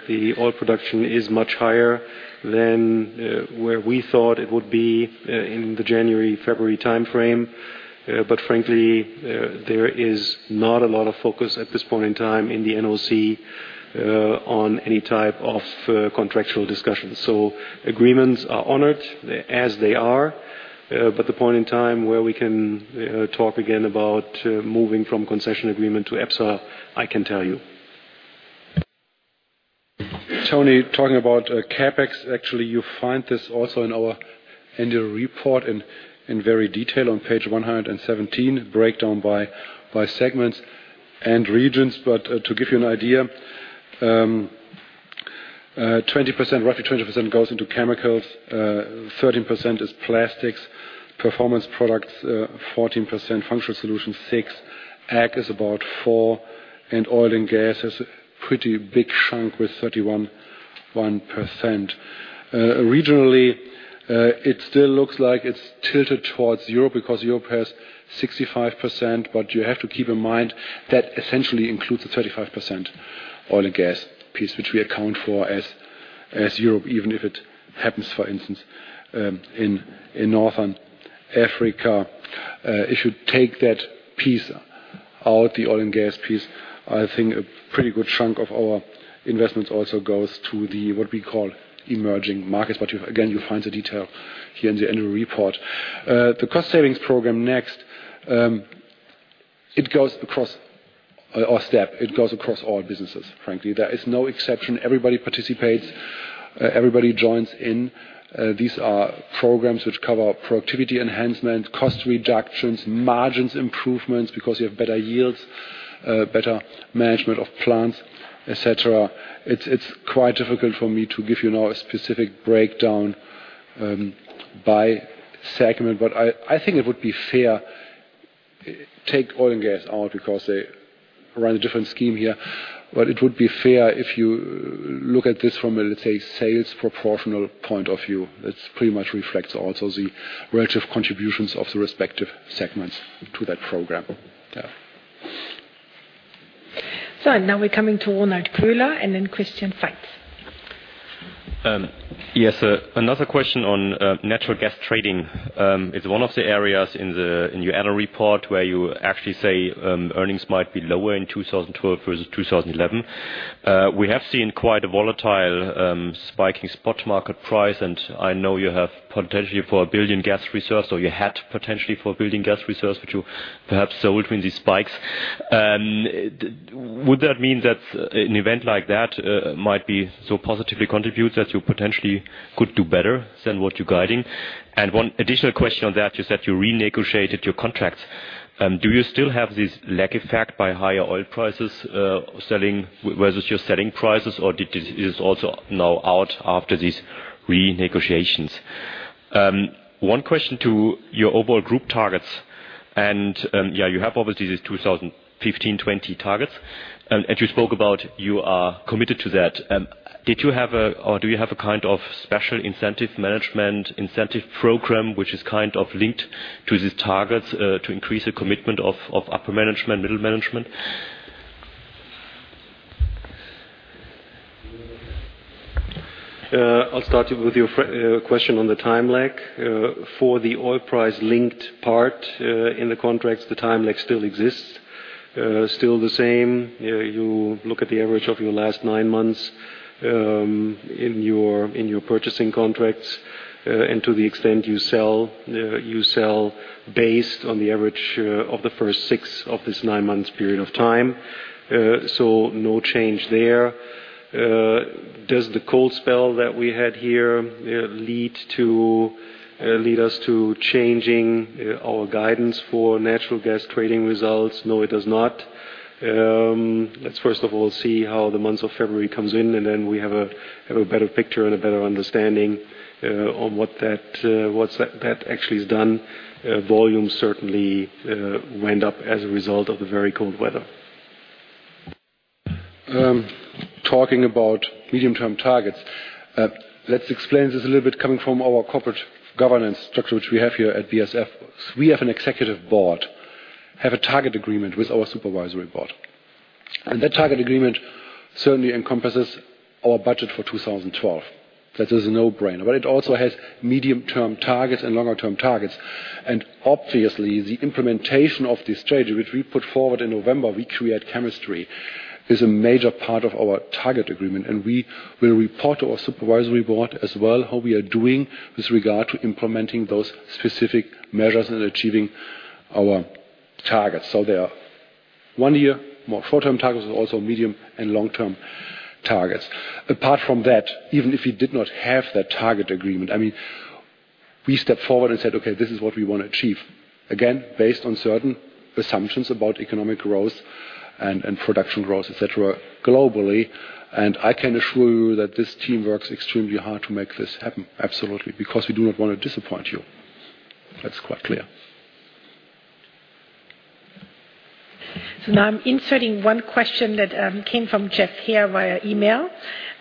The oil production is much higher than where we thought it would be in the January, February timeframe. Frankly, there is not a lot of focus at this point in time in the NOC on any type of contractual discussions. Agreements are honored as they are, but the point in time where we can talk again about moving from concession agreement to EPSA, I can tell you. Tony, talking about CapEx, actually, you find this also in our annual report in very detail on page 117, breakdown by segments and regions. To give you an idea, 20%, roughly 20% goes into chemicals, 13% is plastics, performance products, 14%, functional solutions 6%, AG is about 4%, and oil and gas is a pretty big chunk with 31%. Regionally, it still looks like it's tilted towards Europe because Europe has 65%, but you have to keep in mind that essentially includes the 35% oil and gas piece, which we account for as Europe, even if it happens, for instance, in Northern Africa. If you take that piece out, the oil and gas piece, I think a pretty good chunk of our investments also goes to what we call emerging markets. But again, you'll find the detail here in the annual report. The cost savings program NEXT. It goes across, or STEP, it goes across all businesses, frankly. There is no exception. Everybody participates, everybody joins in. These are programs which cover productivity enhancement, cost reductions, margins improvements because you have better yields, better management of plants, et cetera. It's quite difficult for me to give you now a specific breakdown by segment. I think it would be fair, take oil and gas out because they run a different scheme here. It would be fair if you look at this from, let's say, sales proportional point of view. It pretty much reflects also the relative contributions of the respective segments to that program. Yeah. Now we're coming to Ronald Koehler and then Christian Faitz. Yes, another question on natural gas trading. It's one of the areas in your annual report where you actually say earnings might be lower in 2012 versus 2011. We have seen quite a volatile spiking spot market price, and I know you have potentially 4 billion gas reserves, or you had potentially 4 billion gas reserves, which you perhaps sold between these spikes. Would that mean that an event like that might so positively contribute that you potentially could do better than what you're guiding? One additional question on that is that you renegotiated your contracts. Do you still have this lag effect by higher oil prices selling, whether it's your selling prices or is this also now out after these renegotiations? One question to your overall group targets, and yeah, you have obviously these 2015-2020 targets, and you spoke about you are committed to that. Did you have or do you have a kind of special incentive management, incentive program which is kind of linked to these targets to increase the commitment of upper management, middle management? I'll start with your question on the time lag. For the oil price-linked part, in the contracts, the time lag still exists. Still the same. You look at the average of your last nine months, in your purchasing contracts, and to the extent you sell, you sell based on the average of the first six of this nine-month period of time. So no change there. Does the cold spell that we had here lead us to changing our guidance for natural gas trading results? No, it does not. Let's first of all see how the month of February comes in, and then we have a better picture and a better understanding on what that actually has done. Volume certainly went up as a result of the very cold weather. Talking about medium-term targets, let's explain this a little bit coming from our corporate governance structure which we have here at BASF. We have an executive board, have a target agreement with our supervisory board. That target agreement certainly encompasses our budget for 2012. That is a no-brainer. It also has medium-term targets and longer-term targets. Obviously, the implementation of the strategy which we put forward in November, We Create Chemistry, is a major part of our target agreement, and we will report to our supervisory board as well how we are doing with regard to implementing those specific measures and achieving our targets. They are one year more short-term targets, but also medium and long-term targets. Apart from that, even if we did not have that target agreement, I mean, we stepped forward and said, "Okay, this is what we want to achieve." Again, based on certain assumptions about economic growth and production growth, et cetera, globally. I can assure you that this team works extremely hard to make this happen. Absolutely. Because we do not want to disappoint you. That's quite clear. Now I'm inserting one question that came from Jeff here via email.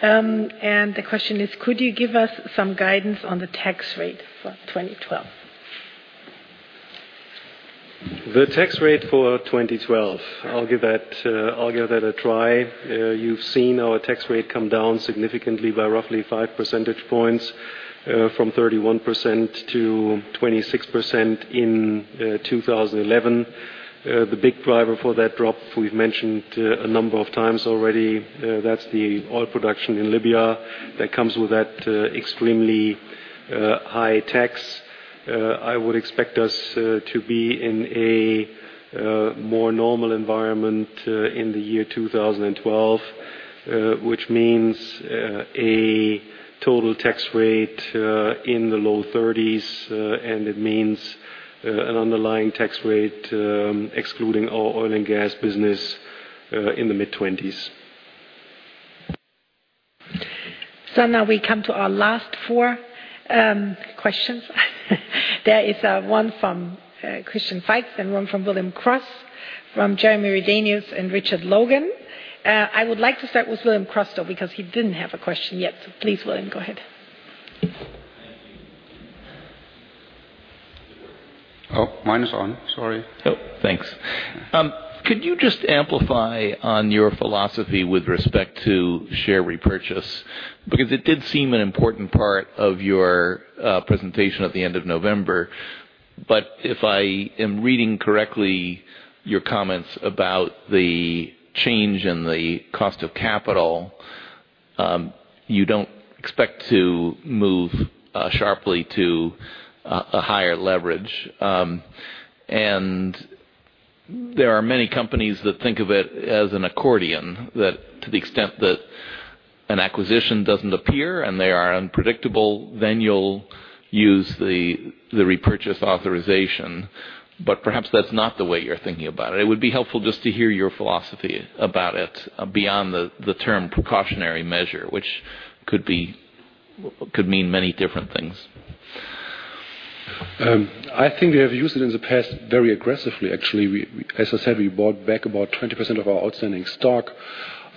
The question is: Could you give us some guidance on the tax rate for 2012? The tax rate for 2012. I'll give that a try. You've seen our tax rate come down significantly by roughly 5 percentage points, from 31%-26% in 2011. The big driver for that drop, we've mentioned a number of times already, that's the oil production in Libya that comes with that extremely high tax. I would expect us to be in a more normal environment in the year 2012, which means a total tax rate in the low 30s, and it means an underlying tax rate, excluding our oil and gas business, in the mid-20s. Now we come to our last four questions. There is one from Christian Faitz and one from William [Cross], from Jeremy Redenius and Richard Logan. I would like to start with William [Cross], though, because he didn't have a question yet. Please, William, go ahead. [audio distortion] Oh, mine is on. Sorry. Oh, thanks. Could you just amplify on your philosophy with respect to share repurchase? It did seem an important part of your presentation at the end of November. If I am reading correctly your comments about the change in the cost of capital, you don't expect to move sharply to a higher leverage. There are many companies that think of it as an accordion, that to the extent that an acquisition doesn't appear and they are unpredictable, then you'll use the repurchase authorization. Perhaps that's not the way you're thinking about it. It would be helpful just to hear your philosophy about it beyond the term precautionary measure, which could mean many different things. I think we have used it in the past very aggressively, actually. As I said, we bought back about 20% of our outstanding stock,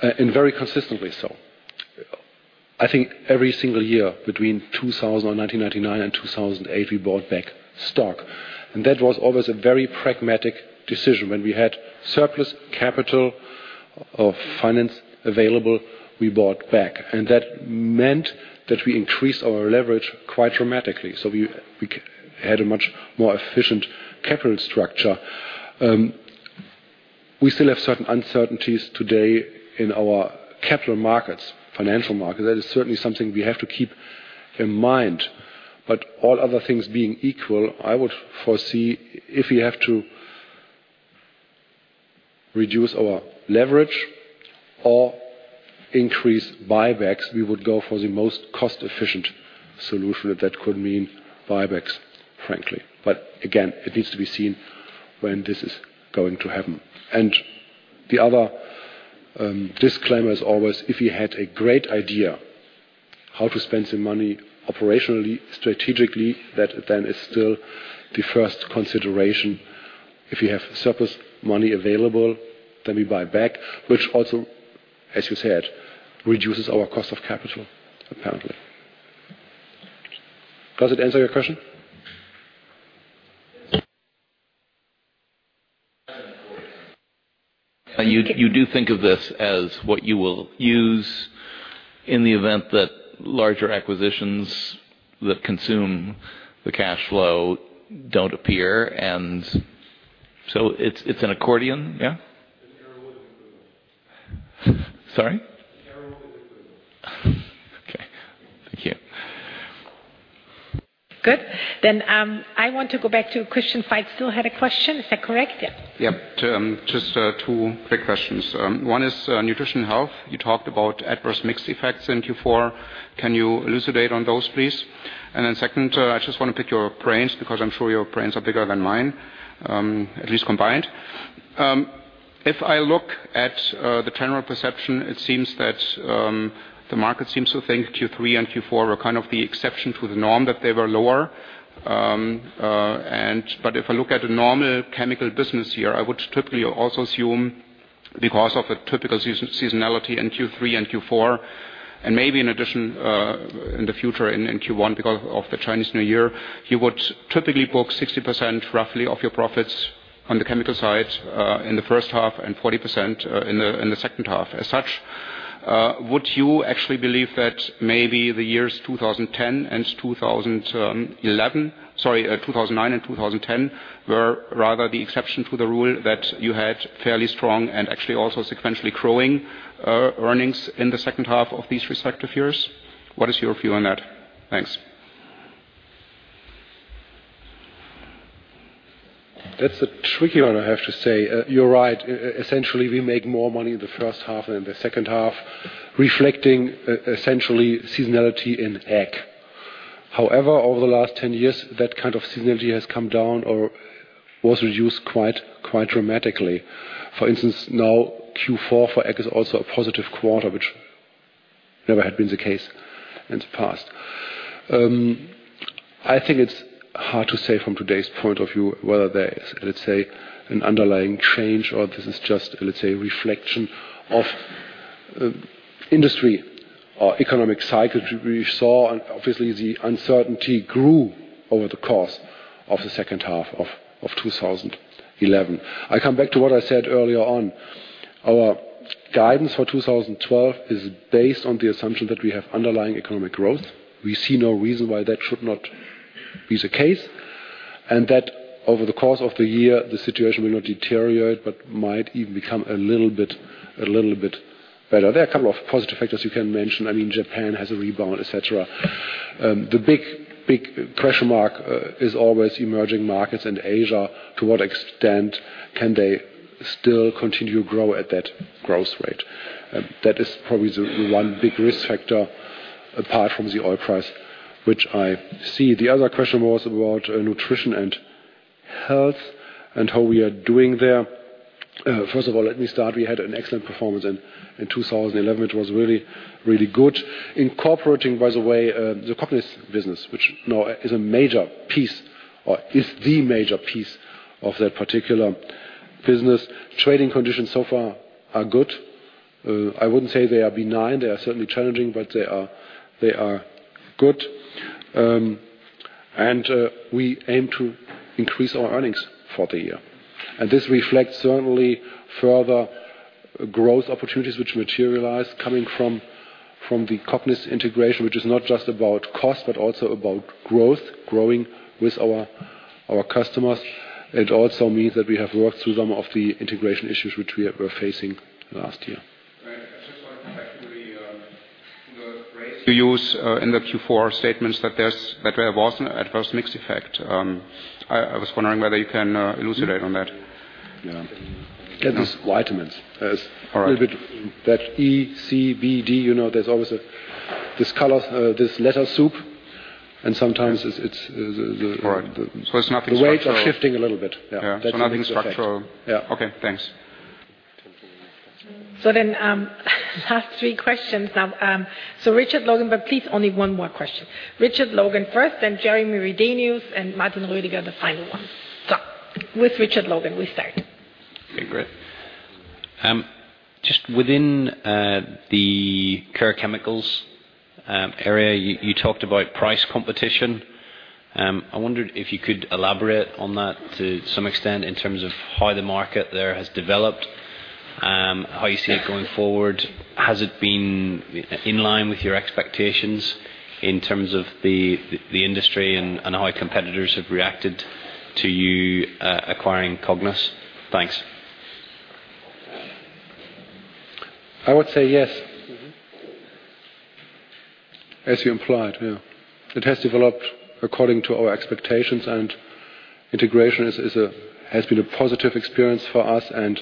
and very consistently so. I think every single year between 1999 and 2008, we bought back stock. That was always a very pragmatic decision. When we had surplus capital or financing available, we bought back. That meant that we increased our leverage quite dramatically. We had a much more efficient capital structure. We still have certain uncertainties today in our capital markets, financial markets. That is certainly something we have to keep in mind. All other things being equal, I would foresee if we have to reduce our leverage or increase buybacks, we would go for the most cost-efficient solution, and that could mean buybacks, frankly. Again, it needs to be seen when this is going to happen. The other disclaimer is always, if you had a great idea how to spend the money operationally, strategically, that then is still the first consideration. If you have surplus money available, then we buy back, which also, as you said, reduces our cost of capital, apparently. Does it answer your question? You do think of this as what you will use in the event that larger acquisitions that consume the cash flow don't appear, and so it's an accordion, yeah? [audio distortion] Sorry? [audio distortion] Okay. Thank you. Good. I want to go back to Christian Faitz, still had a question. Is that correct? Yeah. Yeah. Just two quick questions. One is Nutrition and Health. You talked about adverse mixed effects in Q4. Can you elucidate on those, please? Second, I just want to pick your brains because I'm sure your brains are bigger than mine, at least combined. If I look at the general perception, it seems that the market seems to think Q3 and Q4 were kind of the exception to the norm, that they were lower. If I look at the normal chemical business year, I would typically also assume because of a typical seasonality in Q3 and Q4, and maybe in addition, in the future in Q1 because of the Chinese New Year, you would typically book 60%, roughly, of your profits on the chemical side in the first half and 40% in the second half. As such, would you actually believe that maybe the years 2009 and 2010 were rather the exception to the rule, that you had fairly strong and actually also sequentially growing earnings in the second half of these respective years? What is your view on that? Thanks. That's a tricky one, I have to say. You're right. Essentially, we make more money in the first half than in the second half, reflecting essentially seasonality in ag. However, over the last 10 years, that kind of seasonality has come down or was reduced quite dramatically. For instance, now Q4 for ag is also a positive quarter, which never had been the case in the past. I think it's hard to say from today's point of view whether there is, let's say, an underlying change or this is just, let's say, a reflection of industry or economic cycle. We saw and obviously the uncertainty grew over the course of the second half of 2011. I come back to what I said earlier on. Our guidance for 2012 is based on the assumption that we have underlying economic growth. We see no reason why that should not be the case, and that over the course of the year, the situation will not deteriorate but might even become a little bit better. There are a couple of positive factors you can mention. I mean, Japan has a rebound, et cetera. The big question mark is always emerging markets in Asia. To what extent can they still continue to grow at that growth rate? That is probably the one big risk factor apart from the oil price, which I see. The other question was about Nutrition and Health and how we are doing there. First of all, let me start. We had an excellent performance in 2011. It was really good. Incorporating, by the way, the Cognis business, which now is a major piece or is the major piece of that particular business. Trading conditions so far are good. I wouldn't say they are benign. They are certainly challenging, but they are good. We aim to increase our earnings for the year. This reflects certainly further growth opportunities which materialize coming from the Cognis integration, which is not just about cost, but also about growth, growing with our customers. It also means that we have worked through some of the integration issues which we were facing last year. Right. I just want to come back to the phrase you use in the Q4 statements that there was an adverse mix effect. I was wondering whether you can elucidate on that. Yeah. Get these vitamins. All right. A little bit that E, C, B, D, you know, there's always this letter soup, and sometimes it's the All right. It's nothing structural. The weights are shifting a little bit. Yeah. Yeah. That's the mix effect. Nothing structural. Yeah. Okay, thanks. Last three questions now. Richard Logan, but please only one more question. Richard Logan first, then Jeremy Redenius, and Martin Roediger, the final one. With Richard Logan, we start. Okay, great. Just within the Care Chemicals area, you talked about price competition. I wondered if you could elaborate on that to some extent in terms of how the market there has developed, how you see it going forward. Has it been in line with your expectations in terms of the industry and how competitors have reacted to you acquiring Cognis? Thanks. I would say yes. Mm-hmm. As you implied, yeah. It has developed according to our expectations, and integration has been a positive experience for us and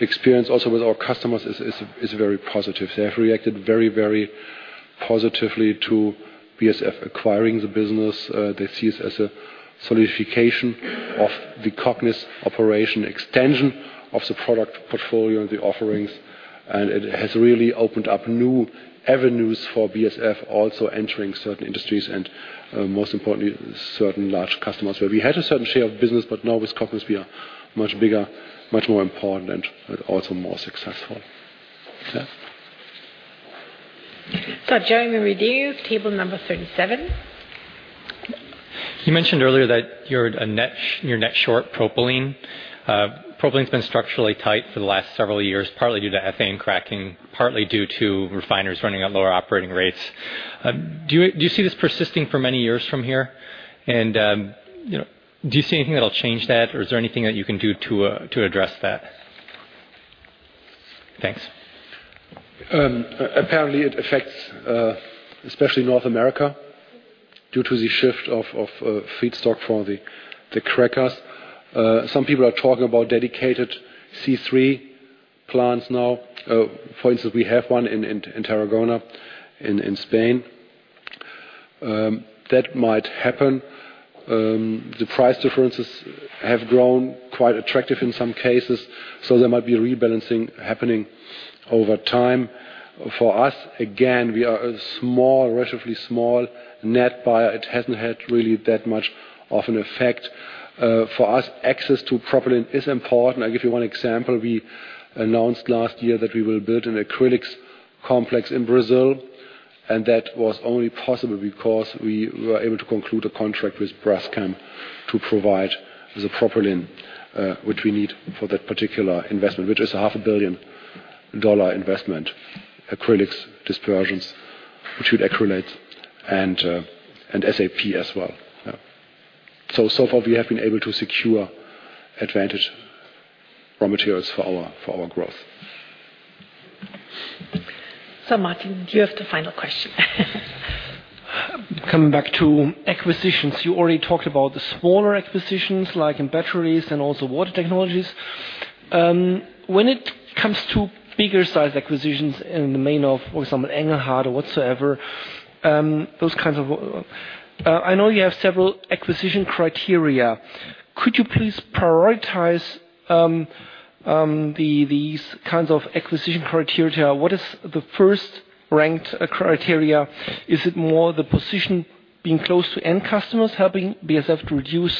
experience also with our customers is very positive. They have reacted very, very positively to BASF acquiring the business. They see it as a solidification of the Cognis operation extension of the product portfolio and the offerings, and it has really opened up new avenues for BASF also entering certain industries and, most importantly, certain large customers where we had a certain share of business, but now with Cognis we are much bigger, much more important and also more successful. Yeah. Jeremy Redenius, table number 37. You mentioned earlier that you're net short propylene. Propylene's been structurally tight for the last several years, partly due to ethane cracking, partly due to refineries running at lower operating rates. Do you see this persisting for many years from here? You know, do you see anything that'll change that, or is there anything that you can do to address that? Thanks. Apparently it affects especially North America due to the shift of feedstock for the crackers. Some people are talking about dedicated C3 plants now. For instance, we have one in Tarragona in Spain. That might happen. The price differences have grown quite attractive in some cases, so there might be a rebalancing happening over time. For us, again, we are a small, relatively small net buyer. It hasn't had really that much of an effect. For us, access to propylene is important. I'll give you one example. We announced last year that we will build an acrylics complex in Brazil, and that was only possible because we were able to conclude a contract with Braskem to provide the propylene, which we need for that particular investment, which is a half a billion dollar investment. Acrylics, dispersions, which would acrylates and SAP as well. Yeah. Far we have been able to secure advantageous raw materials for our growth. Martin, you have the final question. Coming back to acquisitions, you already talked about the smaller acquisitions, like in batteries and also water technologies. When it comes to bigger size acquisitions in the vein of, for example, Engelhard or whatsoever, those kinds of, I know you have several acquisition criteria. Could you please prioritize these kinds of acquisition criteria? What is the first ranked criteria? Is it more the position being close to end customers helping BASF to reduce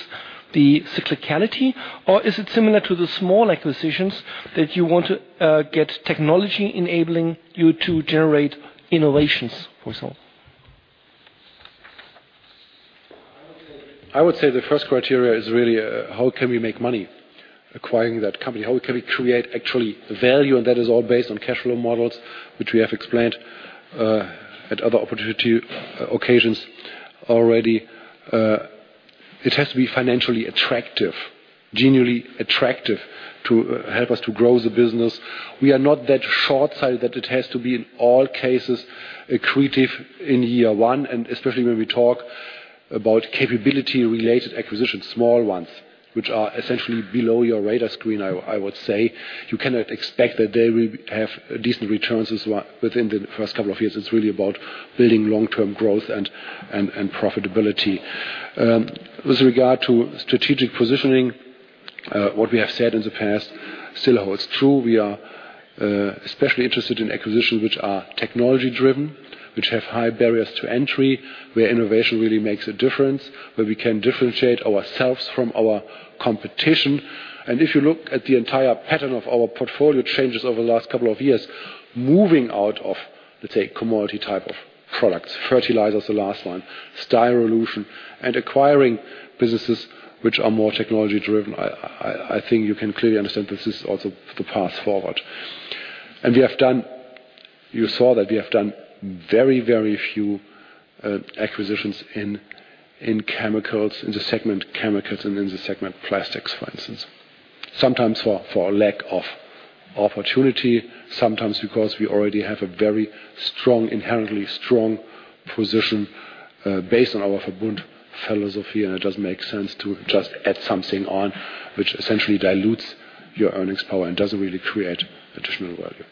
the cyclicality? Or is it similar to the small acquisitions that you want to get technology enabling you to generate innovations, for example? I would say the first criteria is really how can we make money acquiring that company? How can we create actually value? That is all based on cash flow models, which we have explained at other opportunity occasions already. It has to be financially attractive, genuinely attractive to help us to grow the business. We are not that short-sighted that it has to be in all cases accretive in year one, and especially when we talk about capability-related acquisitions, small ones, which are essentially below your radar screen, I would say. You cannot expect that they will have decent returns within the first couple of years. It's really about building long-term growth and profitability. With regard to strategic positioning, what we have said in the past still holds true. We are especially interested in acquisitions which are technology-driven, which have high barriers to entry, where innovation really makes a difference, where we can differentiate ourselves from our competition. If you look at the entire pattern of our portfolio changes over the last couple of years, moving out of, let's say, commodity type of products, fertilizers, the last one, Styrolution, and acquiring businesses which are more technology-driven, I think you can clearly understand this is also the path forward. You saw that we have done very, very few acquisitions in chemicals, in the segment chemicals and in the segment plastics, for instance. Sometimes for lack of opportunity, sometimes because we already have a very strong, inherently strong position, based on our Verbund philosophy, and it doesn't make sense to just add something on which essentially dilutes your earnings power and doesn't really create additional value.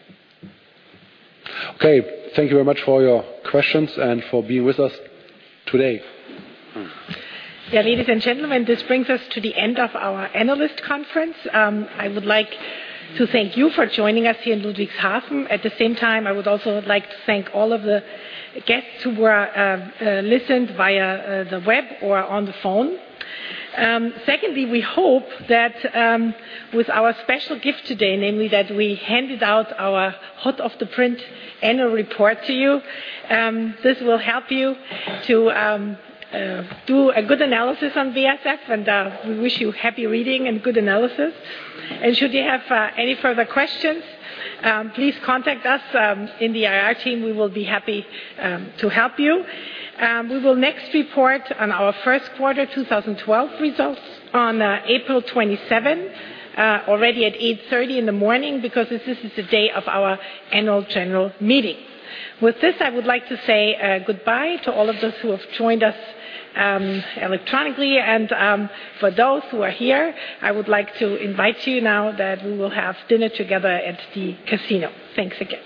Okay, thank you very much for your questions and for being with us today. Ladies and gentlemen, this brings us to the end of our analyst conference. I would like to thank you for joining us here in Ludwigshafen. At the same time, I would also like to thank all of the guests who listened via the web or on the phone. Secondly, we hope that with our special gift today, namely that we handed out our hot off the press annual report to you, this will help you to do a good analysis on BASF, and we wish you happy reading and good analysis. Should you have any further questions, please contact us in the IR team. We will be happy to help you. We will next report on our first quarter 2012 results on April 27 already at 8:30 A.M. because this is the day of our Annual General Meeting. With this, I would like to say goodbye to all of those who have joined us electronically. For those who are here, I would like to invite you now that we will have dinner together at the casino. Thanks again.